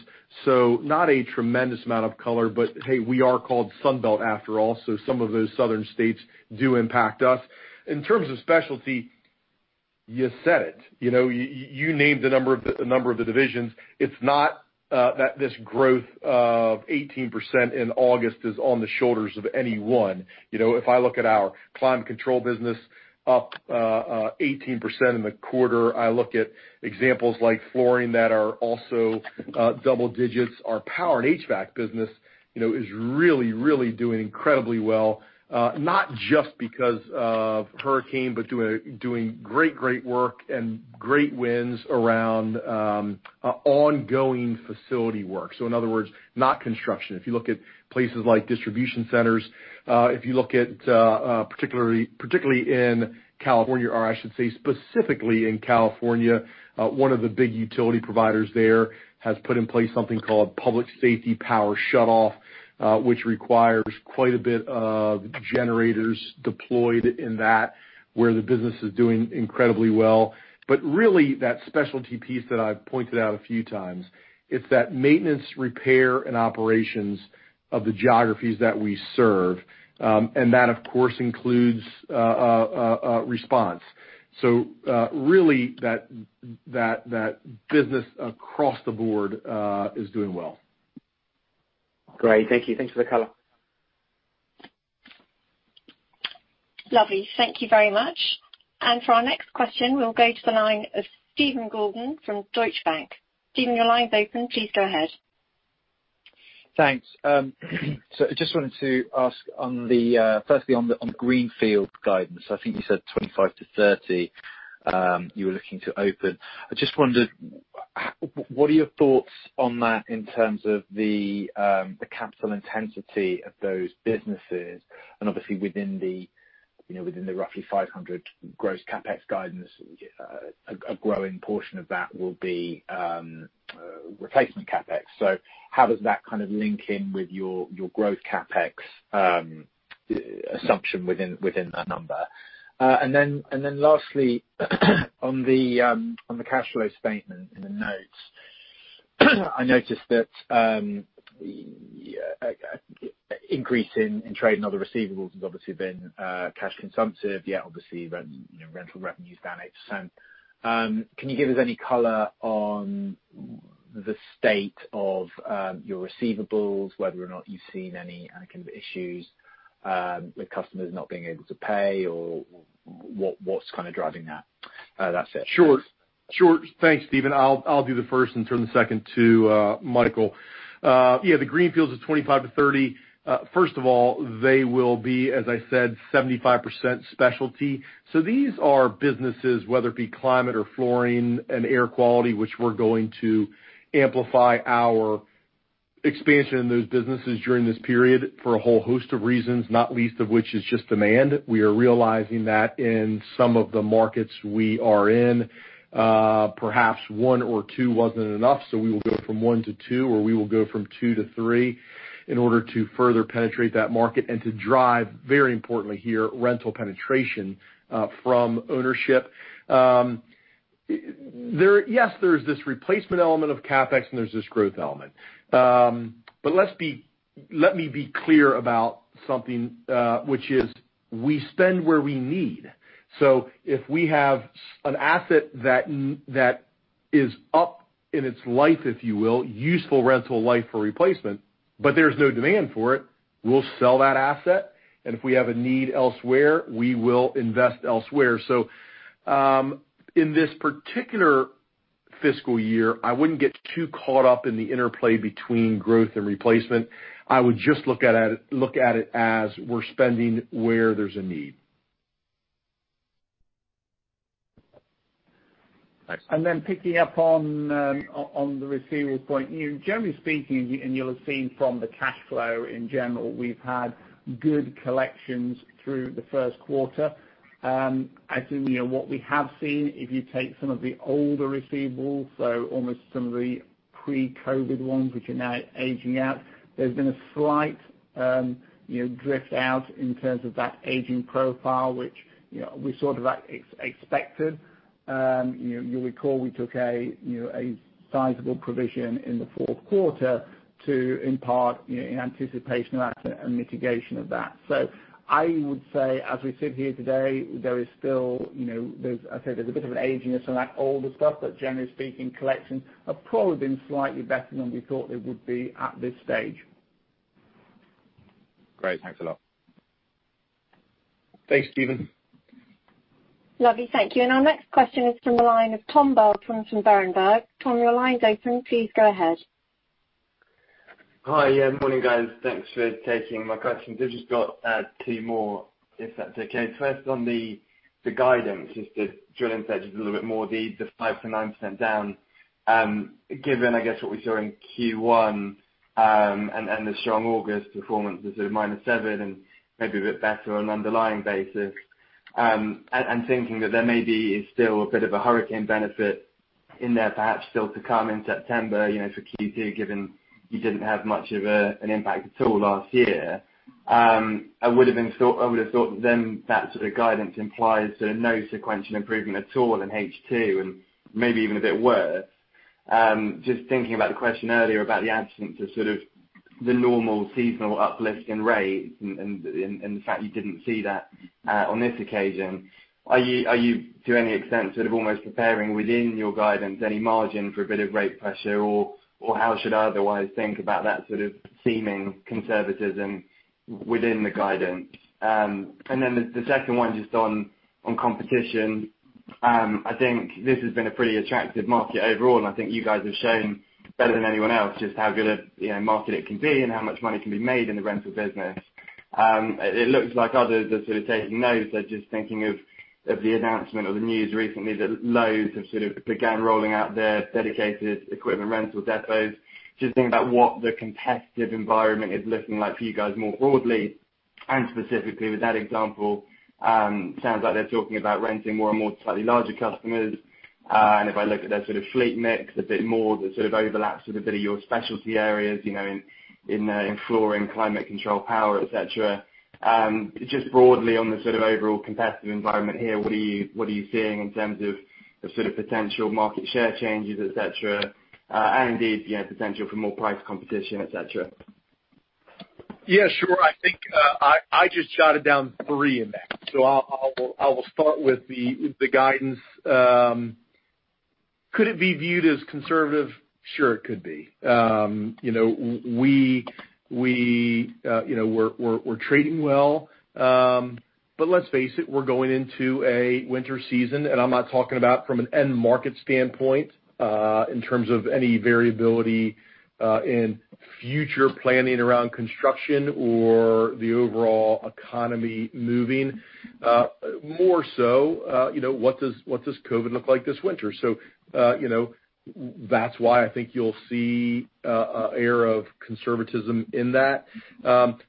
Not a tremendous amount of color, but hey, we are called Sunbelt after all, so some of those southern states do impact us. In terms of specialty, you said it. You named a number of the divisions. It's not that this growth of 18% in August is on the shoulders of any one. If I look at our climate control business up 18% in the quarter, I look at examples like flooring that are also double digits. Our power and HVAC business is really doing incredibly well. Not just because of hurricane, but doing great work and great wins around ongoing facility work. In other words, not construction. If you look at places like distribution centers, if you look at particularly in California, or I should say specifically in California one of the big utility providers there has put in place something called Public Safety Power Shutoff which requires quite a bit of generators deployed in that, where the business is doing incredibly well. Really that specialty piece that I've pointed out a few times, it's that maintenance, repair, and operations of the geographies that we serve. That of course includes response. Really that business across the board is doing well. Great. Thank you. Thanks for the color. Lovely. Thank you very much. For our next question, we'll go to the line of [Stephen Gordon] from Deutsche Bank. Stephen, your line's open. Please go ahead. Thanks. I just wanted to ask firstly on the greenfield guidance, I think you said 25-30 you were looking to open. I just wondered, what are your thoughts on that in terms of the capital intensity of those businesses? Obviously within the roughly 500 gross CapEx guidance, a growing portion of that will be replacement CapEx. How does that kind of link in with your growth CapEx assumption within that number? Lastly, on the cash flow statement in the notes I noticed that increase in trade and other receivables has obviously been cash consumptive, yet obviously rental revenue is down 8%. Can you give us any color on the state of your receivables, whether or not you've seen any kind of issues with customers not being able to pay, or what's kind of driving that? That's it. Sure. Thanks, Stephen. I'll do the first and turn the second to Michael. The greenfields of 25 to 30. First of all, they will be, as I said, 75% specialty. These are businesses, whether it be climate or flooring and air quality, which we're going to amplify our expansion in those businesses during this period for a whole host of reasons, not least of which is just demand. We are realizing that in some of the markets we are in, perhaps one or two wasn't enough. We will go from one to two, or we will go from two to three in order to further penetrate that market and to drive, very importantly here, rental penetration from ownership. Yes, there's this replacement element of CapEx and there's this growth element. Let me be clear about something which is we spend where we need. If we have an asset that is up in its life, if you will, useful rental life for replacement, but there's no demand for it. We'll sell that asset, and if we have a need elsewhere, we will invest elsewhere. In this particular fiscal year, I wouldn't get too caught up in the interplay between growth and replacement. I would just look at it as we're spending where there's a need. Thanks. Picking up on the receivables point, generally speaking, and you'll have seen from the cash flow in general, we've had good collections through the first quarter. What we have seen, if you take some of the older receivables, so almost some of the pre-COVID ones, which are now aging out, there's been a slight drift out in terms of that aging profile, which we sort of expected. You'll recall we took a sizable provision in the fourth quarter to, in part, in anticipation of that and mitigation of that. I would say, as we sit here today, there's a bit of an aging of some of that older stuff, but generally speaking, collections have probably been slightly better than we thought they would be at this stage. Great. Thanks a lot. Thanks, Stephen. Lovely. Thank you. Our next question is from the line of [Tom Belton] from Berenberg. Tom, your line's open. Please go ahead. Hi. Yeah, morning, guys. Thanks for taking my questions. I've just got two more, if that's okay. First, on the guidance, just to drill inside just a little bit more, the 5%-9% down. Given, I guess, what we saw in Q1 and the strong August performance of sort of -7% and maybe a bit better on an underlying basis, and thinking that there may be still a bit of a hurricane benefit in there perhaps still to come in September for Q2 given you didn't have much of an impact at all last year. I would've thought then that sort of guidance implies no sequential improvement at all in H2 and maybe even a bit worse. Just thinking about the question earlier about the absence of sort of the normal seasonal uplift in rates and the fact you didn't see that on this occasion, are you to any extent sort of almost preparing within your guidance any margin for a bit of rate pressure, or how should I otherwise think about that sort of seeming conservatism within the guidance? The second one just on competition. I think this has been a pretty attractive market overall, and I think you guys have shown better than anyone else just how good a market it can be and how much money can be made in the rental business. It looks like others are sort of taking note. I was just thinking of the announcement or the news recently that Lowe's have sort of began rolling out their dedicated equipment rental depots. Just thinking about what the competitive environment is looking like for you guys more broadly and specifically with that example. Sounds like they're talking about renting more and more to slightly larger customers. If I look at their sort of fleet mix a bit more, there's sort of overlaps with a bit of your specialty areas in flooring, climate control, power, etc. Just broadly on the sort of overall competitive environment here, what are you seeing in terms of the sort of potential market share changes, etc., and indeed potential for more price competition, etc.? Yeah, sure. I think I just jotted down three in that. I will start with the guidance. Could it be viewed as conservative? Sure, it could be. We're trading well. Let's face it, we're going into a winter season, and I'm not talking about from an end market standpoint in terms of any variability in future planning around construction or the overall economy moving. More so, what does COVID-19 look like this winter? That's why I think you'll see an air of conservatism in that.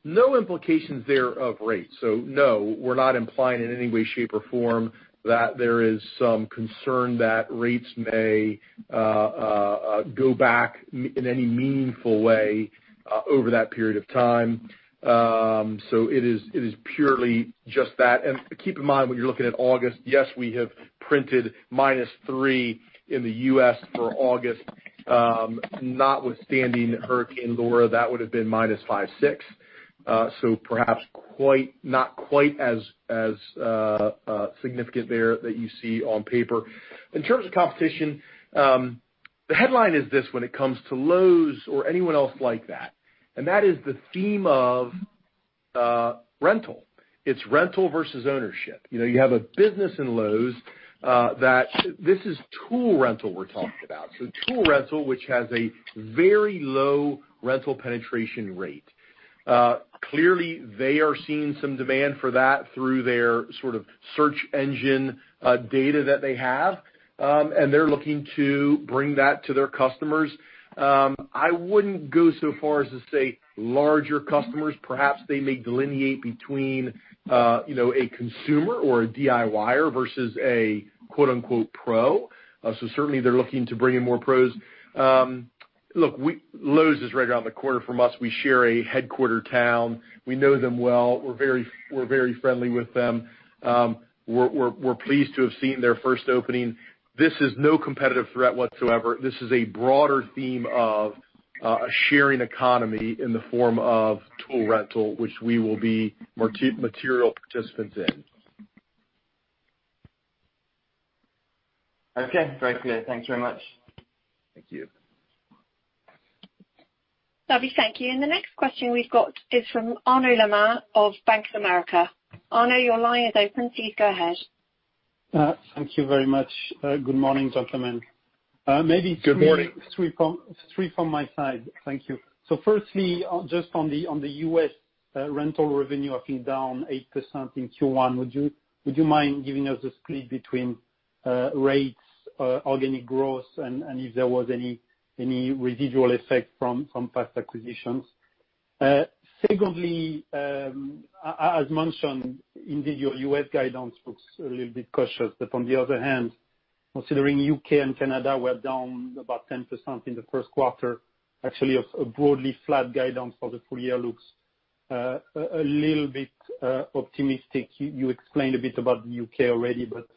No implications there of rates. No, we're not implying in any way, shape, or form that there is some concern that rates may go back in any meaningful way over that period of time. It is purely just that. Keep in mind when you're looking at August, yes, we have printed -3% in the U.S. for August. Notwithstanding Hurricane Laura, that would have been -5%, 6%. Perhaps not quite as significant there that you see on paper. In terms of competition, the headline is this when it comes to Lowe's or anyone else like that, and that is the theme of rental. It's rental versus ownership. You have a business in Lowe's that this is tool rental we're talking about. Tool rental, which has a very low rental penetration rate. Clearly they are seeing some demand for that through their sort of search engine data that they have. They're looking to bring that to their customers. I wouldn't go so far as to say larger customers. Perhaps they may delineate between a consumer or a DIYer versus a quote unquote "pro." Certainly they're looking to bring in more pros. Look, Lowe's is right around the corner from us. We share a headquarter town. We know them well. We're very friendly with them. We're pleased to have seen their first opening. This is no competitive threat whatsoever. This is a broader theme of a sharing economy in the form of tool rental, which we will be material participants in. Okay, very clear. Thanks very much. Thank you. Lovely. Thank you. The next question we've got is from [Arnaud Lehmann] of Bank of America. Arnaud, your line is open. Please go ahead. Thank you very much. Good morning, gentlemen. Good morning. Maybe three from my side. Thank you. Firstly, just on the U.S. rental revenue, I think down 8% in Q1, would you mind giving us a split between rates, organic growth, and if there was any residual effect from past acquisitions? Secondly, as mentioned, indeed, your U.S. guidance looks a little bit cautious. On the other hand, considering U.K. and Canada were down about 10% in the first quarter, actually, a broadly flat guidance for the full year looks a little bit optimistic. You explained a bit about the U.K. already, but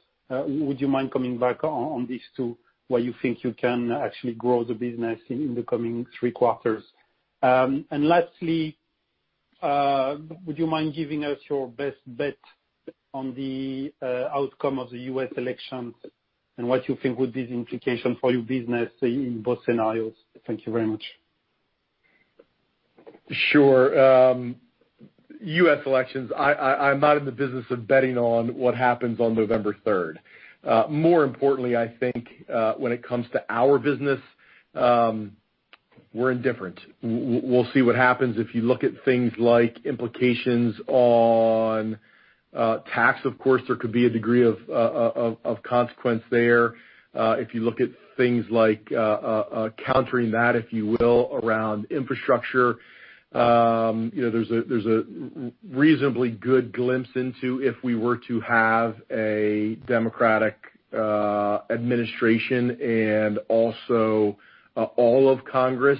would you mind coming back on these two, why you think you can actually grow the business in the coming three quarters? Lastly, would you mind giving us your best bet on the outcome of the U.S. elections and what you think would be the implication for your business in both scenarios? Thank you very much. Sure. U.S. elections, I'm not in the business of betting on what happens on November 3rd. More importantly, I think, when it comes to our business, we're indifferent. We'll see what happens. If you look at things like implications on tax, of course, there could be a degree of consequence there. If you look at things like countering that, if you will, around infrastructure, there's a reasonably good glimpse into if we were to have a Democratic administration and also all of Congress.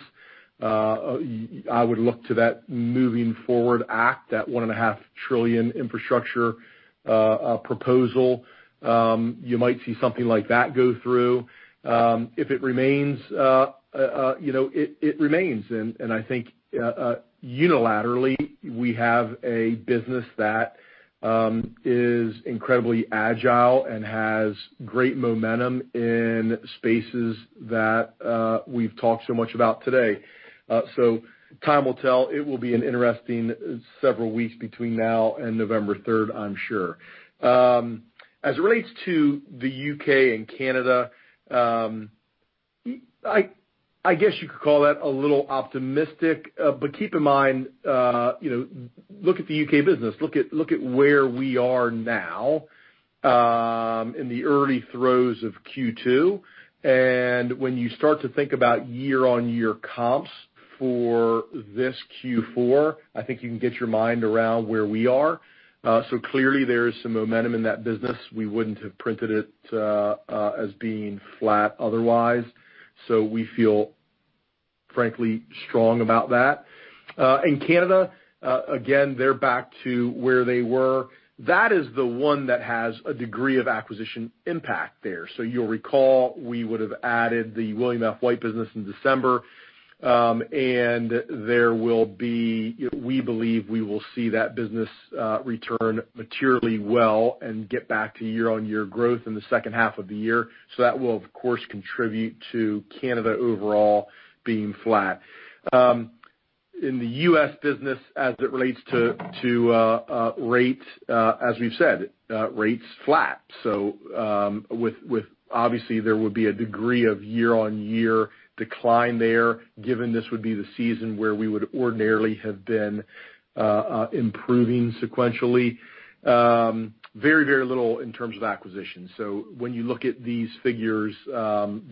I would look to that Moving Forward Act, that 1.5 trillion infrastructure proposal. You might see something like that go through. If it remains, it remains. I think unilaterally, we have a business that is incredibly agile and has great momentum in spaces that we've talked so much about today. Time will tell. It will be an interesting several weeks between now and November 3rd, I'm sure. As it relates to the U.K. and Canada, I guess you could call that a little optimistic. Keep in mind, look at the U.K. business. Look at where we are now, in the early throes of Q2. When you start to think about year-on-year comps for this Q4, I think you can get your mind around where we are. Clearly there is some momentum in that business. We wouldn't have printed it as being flat otherwise. We feel, frankly, strong about that. In Canada, again, they're back to where they were. That is the one that has a degree of acquisition impact there. You'll recall, we would have added the William F. White business in December. We believe we will see that business return materially well and get back to year-over-year growth in the second half of the year. That will, of course, contribute to Canada overall being flat. In the U.S. business, as it relates to rate, as we've said, rate's flat. Obviously there would be a degree of year-over-year decline there, given this would be the season where we would ordinarily have been improving sequentially. Very, very little in terms of acquisition. When you look at these figures, they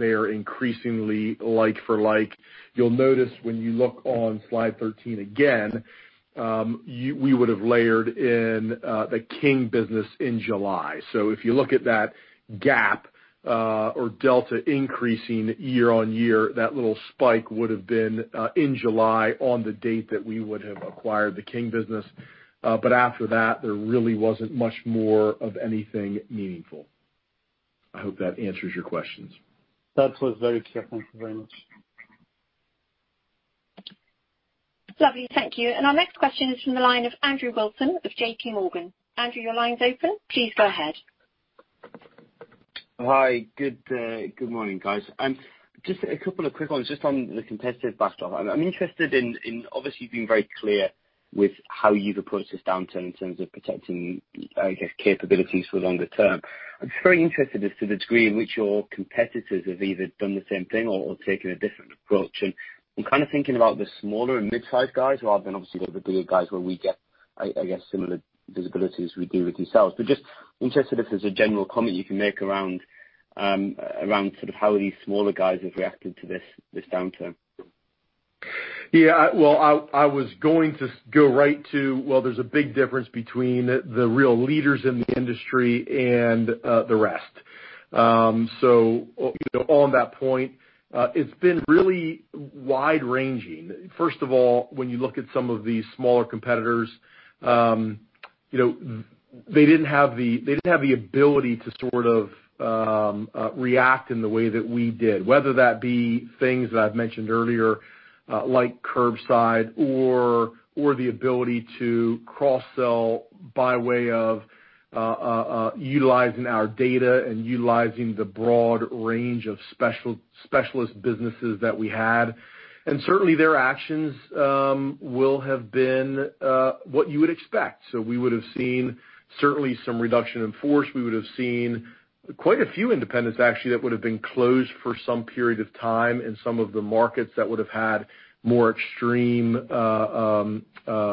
are increasingly like for like. You'll notice when you look on slide 13 again, we would have layered in the King business in July. If you look at that gap or delta increasing year-over-year, that little spike would have been in July on the date that we would have acquired the King business. After that, there really wasn't much more of anything meaningful. I hope that answers your questions. That was very clear. Thank you very much. Lovely. Thank you. Our next question is from the line of Andrew Wilson of JPMorgan. Andrew, your line's open. Please go ahead. Hi. Good morning, guys. Just a couple of quick ones just on the competitive battle. I'm interested in, obviously, you've been very clear with how you've approached this downturn in terms of protecting, I guess, capabilities for the longer term. I'm just very interested as to the degree in which your competitors have either done the same thing or taken a different approach. I'm kind of thinking about the smaller and midsize guys, rather than obviously the bigger guys where we get, I guess, similar visibilities we do with yourselves. Just interested if there's a general comment you can make around sort of how these smaller guys have reacted to this downturn. Yeah. Well, I was going to go right to, well, there's a big difference between the real leaders in the industry and the rest. On that point, it's been really wide-ranging. First of all, when you look at some of these smaller competitors, they didn't have the ability to sort of react in the way that we did, whether that be things that I've mentioned earlier like curbside or the ability to cross-sell by way of utilizing our data and utilizing the broad range of specialist businesses that we had. Certainly their actions will have been what you would expect. We would've seen certainly some reduction in force. We would've seen quite a few independents actually, that would've been closed for some period of time in some of the markets that would've had more extreme COVID-19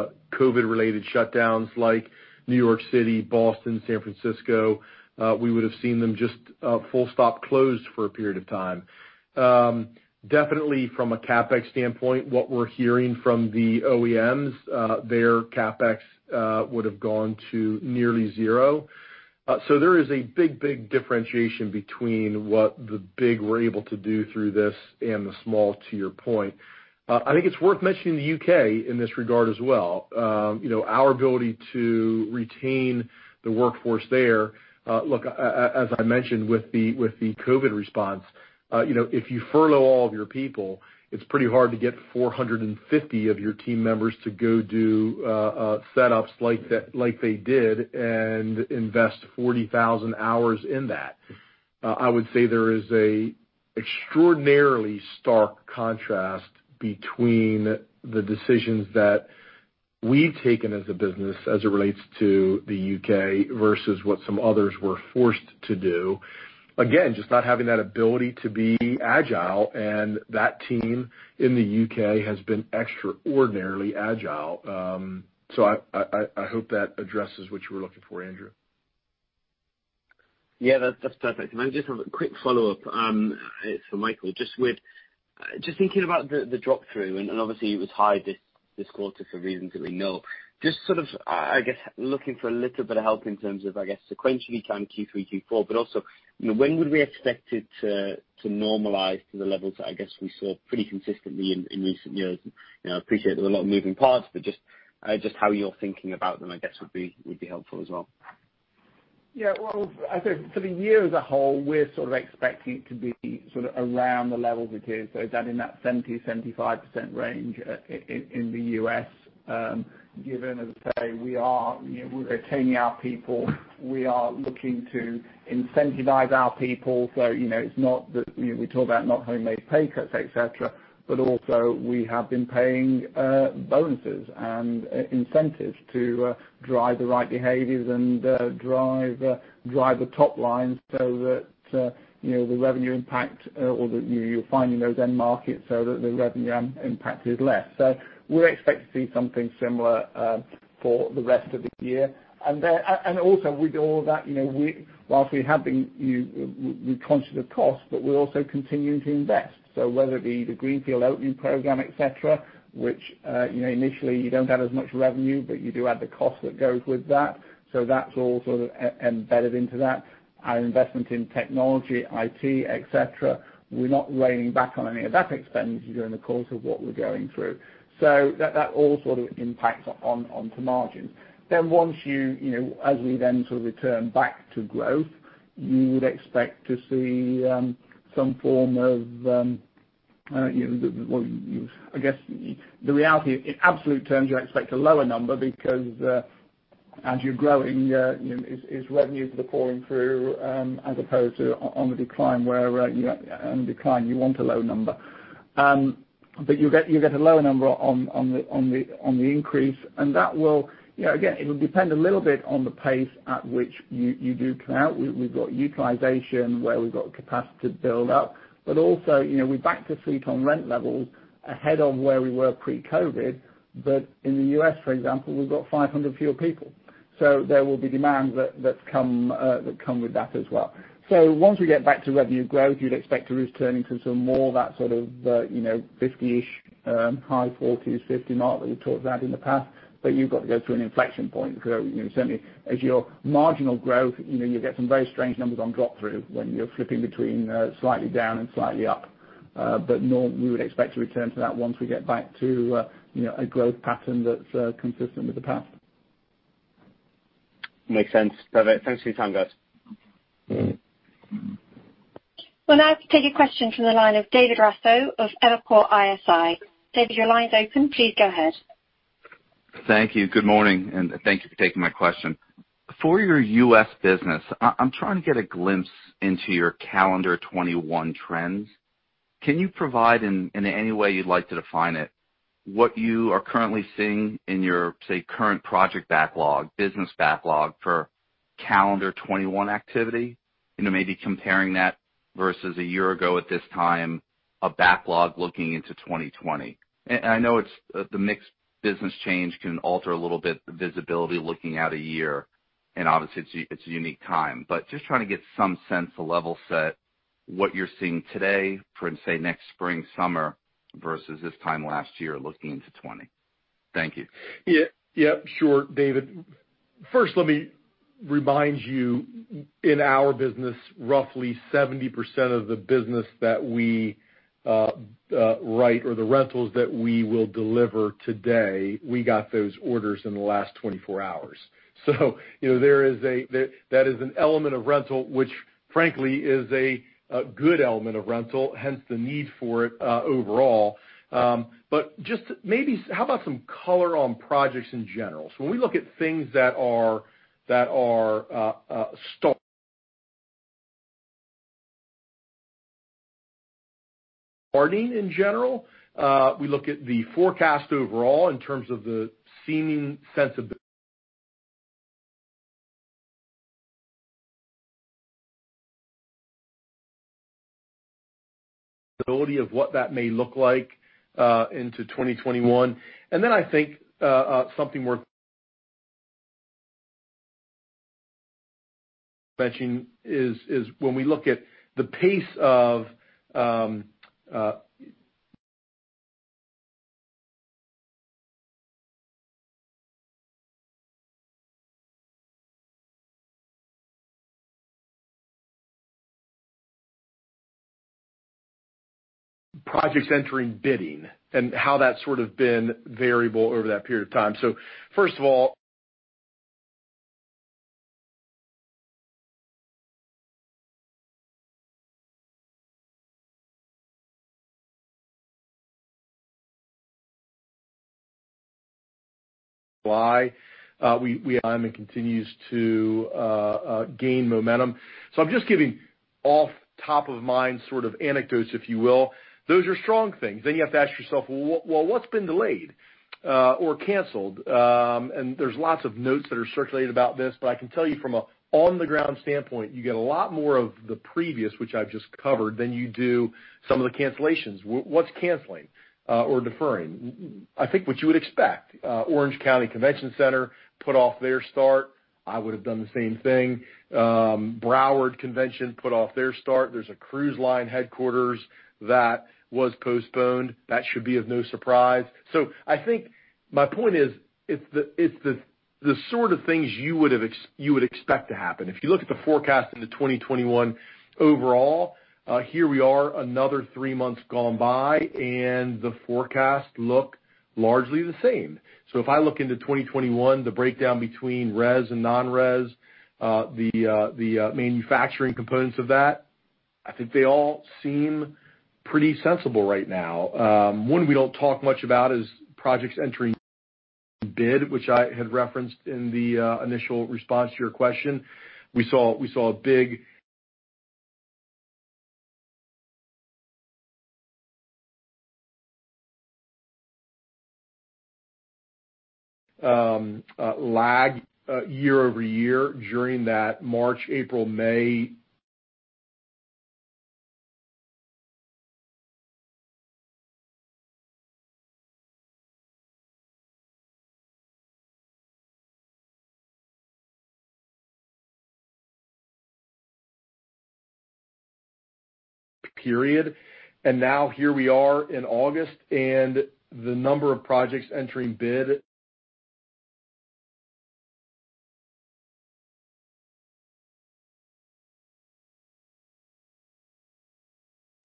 related shutdowns like New York City, Boston, San Francisco. We would've seen them just full stop closed for a period of time. Definitely from a CapEx standpoint, what we're hearing from the OEMs, their CapEx, would've gone to nearly zero. There is a big, big differentiation between what the big were able to do through this and the small, to your point. I think it's worth mentioning the U.K. in this regard as well. Our ability to retain the workforce there, look, as I mentioned with the COVID-19 response, if you furlough all of your people, it's pretty hard to get 450 of your team members to go do setups like they did and invest 40,000 hours in that. I would say there is a extraordinarily stark contrast between the decisions that we've taken as a business as it relates to the U.K. versus what some others were forced to do. Just not having that ability to be agile. That team in the U.K. has been extraordinarily agile. I hope that addresses what you were looking for, Andrew. That's perfect. Can I just have a quick follow-up? It's for Michael. Just thinking about the drop through, and obviously it was high this quarter for reasons that we know. Just sort of, I guess, looking for a little bit of help in terms of, I guess, sequentially kind of Q3, Q4, also, when would we expect it to normalize to the levels that I guess we saw pretty consistently in recent years? I appreciate there are a lot of moving parts, just how you're thinking about them, I guess, would be helpful as well. Well, I think for the year as a whole, we're sort of expecting it to be sort of around the levels it is, so it's down in that 70%, 75% range in the U.S. given, as I say, we are retaining our people. We are looking to incentivize our people. We talk about not having made pay cuts, et cetera, but also we have been paying bonuses and incentives to drive the right behaviors and drive the top line so that the revenue impact or that you're finding those end markets so that the revenue impact is less. We expect to see something similar for the rest of the year. Also with all of that, whilst we have been conscious of cost, but we're also continuing to invest. Whether it be the greenfield opening program, et cetera, which initially you don't have as much revenue, but you do have the cost that goes with that. That's all sort of embedded into that. Our investment in technology, IT, et cetera. We're not reining back on any of that expenditure during the course of what we're going through. That all sort of impacts onto margins. As we then sort of return back to growth, you would expect to see some form of, I guess the reality, in absolute terms, you expect a lower number because as you're growing, it's revenues that are falling through as opposed to on the decline, where on decline you want a low number. You get a lower number on the increase, and again, it'll depend a little bit on the pace at which you do come out. We've got utilization where we've got capacity to build up, also, we're back to fleet on rent levels ahead of where we were pre-COVID. In the U.S., for example, we've got 500 fewer people. There will be demand that come with that as well. Once we get back to revenue growth, you'd expect to returning to some more of that sort of 50-ish, high 40s, 50 mark that we've talked about in the past. You've got to go through an inflection point because certainly as your marginal growth, you get some very strange numbers on drop through when you're flipping between slightly down and slightly up. We would expect to return to that once we get back to a growth pattern that's consistent with the past. Makes sense. Perfect. Thanks for your time, guys. We'll now take a question from the line of David Raso of Evercore ISI. David, your line's open. Please go ahead. Thank you. Good morning, and thank you for taking my question. For your U.S. business, I'm trying to get a glimpse into your calendar 2021 trends. Can you provide, in any way you'd like to define it, what you are currently seeing in your, say, current project backlog, business backlog for calendar 2021 activity? Maybe comparing that versus a year ago at this time, a backlog looking into 2020. I know the mixed business change can alter a little bit the visibility looking out a year, and obviously it's a unique time. Just trying to get some sense, a level set, what you're seeing today for, say, next spring, summer versus this time last year, looking into 2020. Thank you. Yep, sure, David. First let me remind you, in our business, roughly 70% of the business that we write or the rentals that we will deliver today, we got those orders in the last 24 hours. That is an element of rental which frankly is a good element of rental, hence the need for it overall. Just maybe, how about some color on projects in general? When we look at things that are stalled bidding in general. We look at the forecast overall in terms of the seeming sensibility of what that may look like into 2021. I think something worth mentioning is when we look at the pace of projects entering bidding, and how that's sort of been variable over that period of time. First of all, the trend continues to gain momentum. I'm just giving off top of mind sort of anecdotes, if you will. Those are strong things. You have to ask yourself, "Well, what's been delayed or canceled?" There's lots of notes that are circulated about this. I can tell you from a on-the-ground standpoint, you get a lot more of the previous, which I've just covered, than you do some of the cancellations. What's canceling or deferring? I think what you would expect. Orange County Convention Center put off their start. I would've done the same thing. Broward Convention put off their start. There's a cruise line headquarters that was postponed. That should be of no surprise. I think my point is, it's the sort of things you would expect to happen. If you look at the forecast into 2021 overall, here we are another three months gone by, the forecast look largely the same. If I look into 2021, the breakdown between res and non-res, the manufacturing components of that, I think they all seem pretty sensible right now. One we don't talk much about is projects entering bid, which I had referenced in the initial response to your question. We saw a big lag year-over-year during that March, April, May period. Now here we are in August, the number of projects entering bid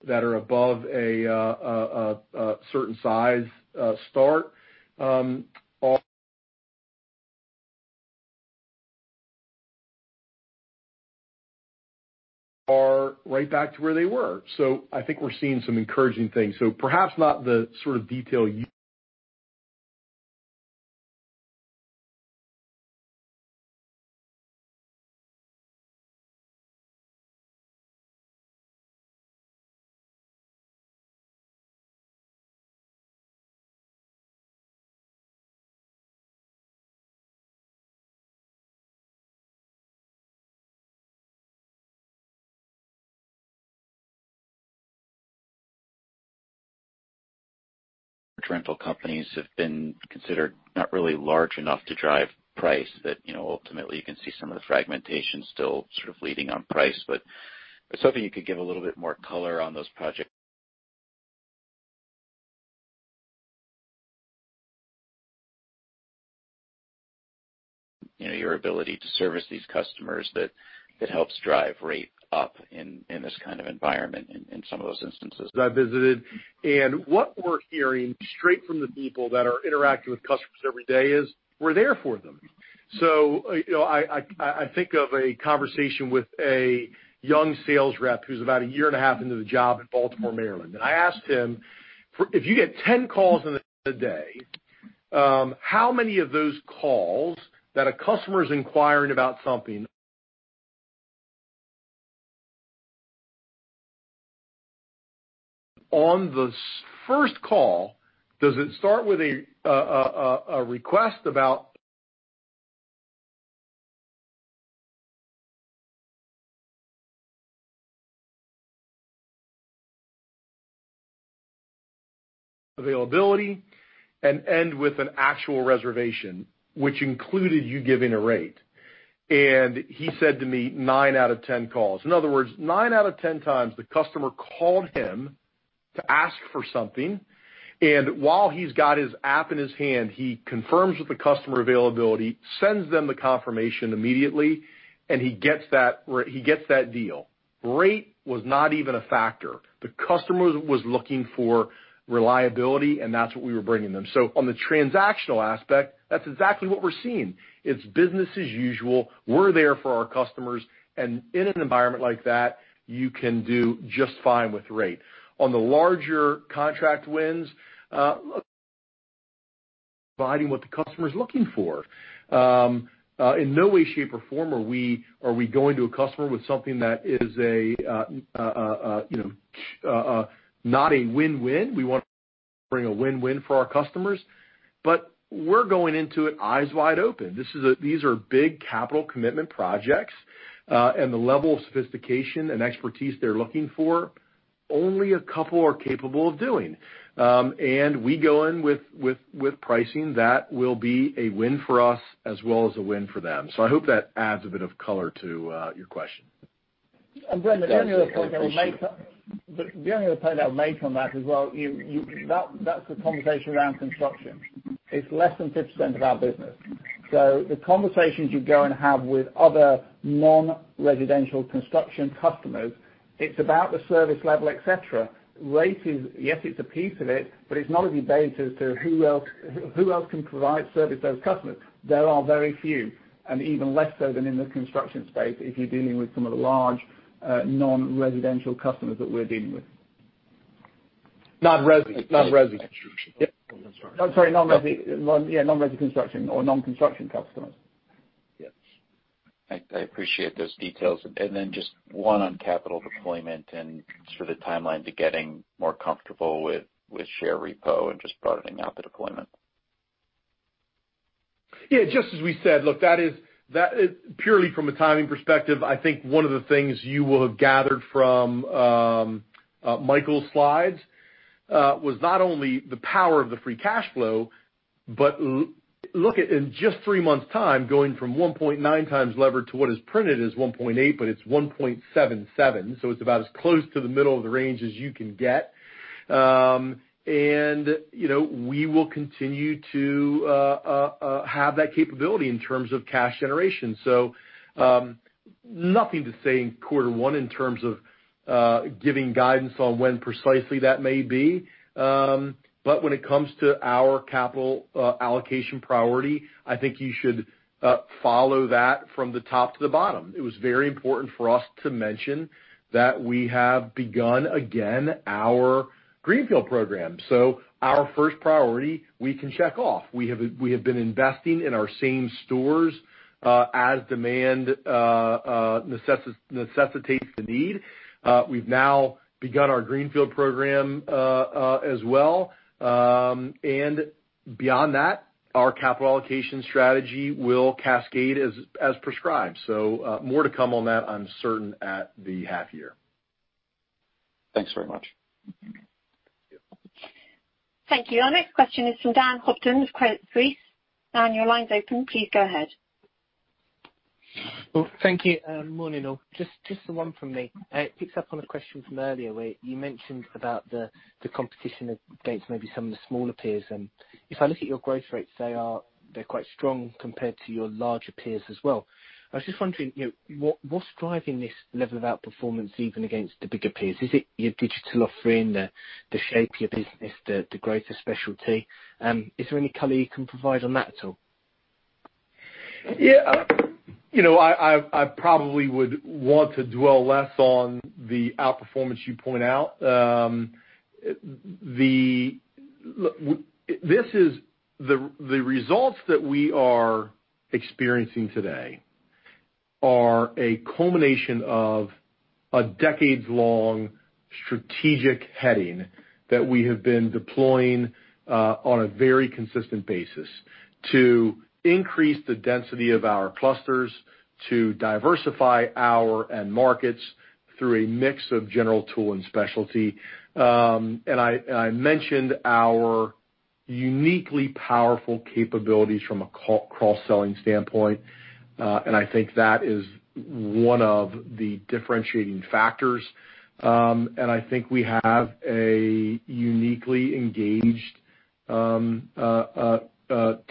that are above a certain size start are right back to where they were. I think we're seeing some encouraging things. Perhaps not the sort of detail you. Rental companies have been considered not really large enough to drive price, but ultimately, you can see some of the fragmentation still sort of leading on price. I was hoping you could give a little bit more color on your ability to service these customers that helps drive rate up in this kind of environment in some of those instances. I visited, and what we're hearing straight from the people that are interacting with customers every day is, we're there for them. I think of a conversation with a young sales rep who's about a year and a half into the job in Baltimore, Maryland. I asked him, "If you get 10 calls in a day, how many of those calls that a customer's inquiring about something on the first call, does it start with a request about availability and end with an actual reservation, which included you giving a rate?" He said to me, "Nine out of 10 calls." In other words, nine out of 10 times, the customer called him to ask for something, and while he's got his app in his hand, he confirms with the customer availability, sends them the confirmation immediately, and he gets that deal. Rate was not even a factor. The customer was looking for reliability, and that's what we were bringing them. On the transactional aspect, that's exactly what we're seeing. It's business as usual. We're there for our customers, and in an environment like that, you can do just fine with rate. On the larger contract wins, providing what the customer's looking for. In no way, shape, or form are we going to a customer with something that is not a win-win. We want to bring a win-win for our customers. We're going into it eyes wide open. These are big capital commitment projects. The level of sophistication and expertise they're looking for, only a couple are capable of doing. We go in with pricing that will be a win for us as well as a win for them. I hope that adds a bit of color to your question. Brendan, the only other point I would make on that as well, that's the conversation around construction. It's less than 5% of our business. The conversations you go and have with other non-residential construction customers, it's about the service level, et cetera. Rates is, yes, it's a piece of it, but it's not a debate as to who else can provide service to those customers. There are very few, and even less so than in the construction space if you're dealing with some of the large non-residential customers that we're dealing with. Non-res. Construction. Yep. I'm sorry, non-res construction or non-construction customers. Yes. I appreciate those details. Just one on capital deployment and sort of timeline to getting more comfortable with share repo and just prodding out the deployment. Just as we said, look, that is purely from a timing perspective, I think one of the things you will have gathered from Michael's slides, was not only the power of the free cash flow, but look at in just three months' time, going from 1.9x levered to what is printed as 1.8, but it's 1.77. It's about as close to the middle of the range as you can get. We will continue to have that capability in terms of cash generation. Nothing to say in quarter one in terms of giving guidance on when precisely that may be. When it comes to our capital allocation priority, I think you should follow that from the top to the bottom. It was very important for us to mention that we have begun again our greenfield program. Our first priority, we can check off. We have been investing in our same stores as demand necessitates the need. We've now begun our greenfield program as well. Beyond that, our capital allocation strategy will cascade as prescribed. More to come on that, I'm certain, at the half year. Thanks very much. Thank you. Thank you. Our next question is from [Dan Hopton with Jefferies]. Dan, your line's open. Please go ahead. Well, thank you. Morning, all. Just the one from me. It picks up on a question from earlier, where you mentioned about the competition against maybe some of the smaller peers. If I look at your growth rates, they're quite strong compared to your larger peers as well. I was just wondering, what's driving this level of outperformance even against the bigger peers? Is it your digital offering, the shape of your business, the greater specialty? Is there any color you can provide on that at all? Yeah. I probably would want to dwell less on the outperformance you point out. The results that we are experiencing today are a culmination of a decades-long strategic heading that we have been deploying on a very consistent basis to increase the density of our clusters, to diversify our end markets through a mix of general tool and specialty. I mentioned our uniquely powerful capabilities from a cross-selling standpoint. I think that is one of the differentiating factors. I think we have a uniquely engaged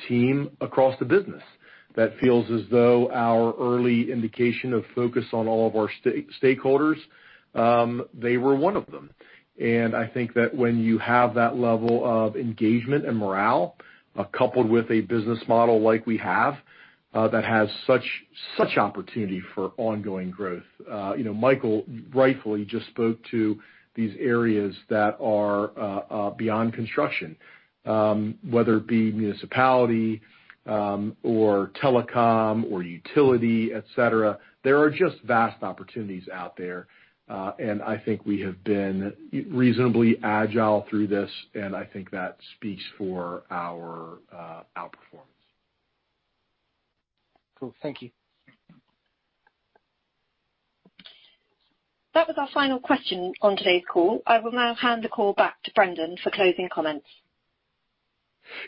team across the business that feels as though our early indication of focus on all of our stakeholders, they were one of them. I think that when you have that level of engagement and morale, coupled with a business model like we have, that has such opportunity for ongoing growth. Michael rightfully just spoke to these areas that are beyond construction, whether it be municipality or telecom or utility, et cetera. There are just vast opportunities out there. I think we have been reasonably agile through this, and I think that speaks for our outperformance. Cool. Thank you. That was our final question on today's call. I will now hand the call back to Brendan for closing comments.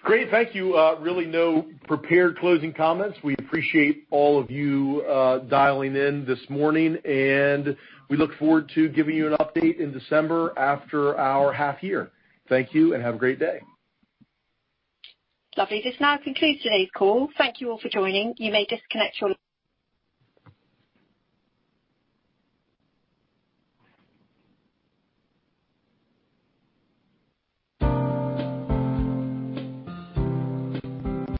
Great. Thank you. Really no prepared closing comments. We appreciate all of you dialing in this morning, and we look forward to giving you an update in December after our half year. Thank you and have a great day. Lovely. This now concludes today's call. Thank you all for joining. You may disconnect your.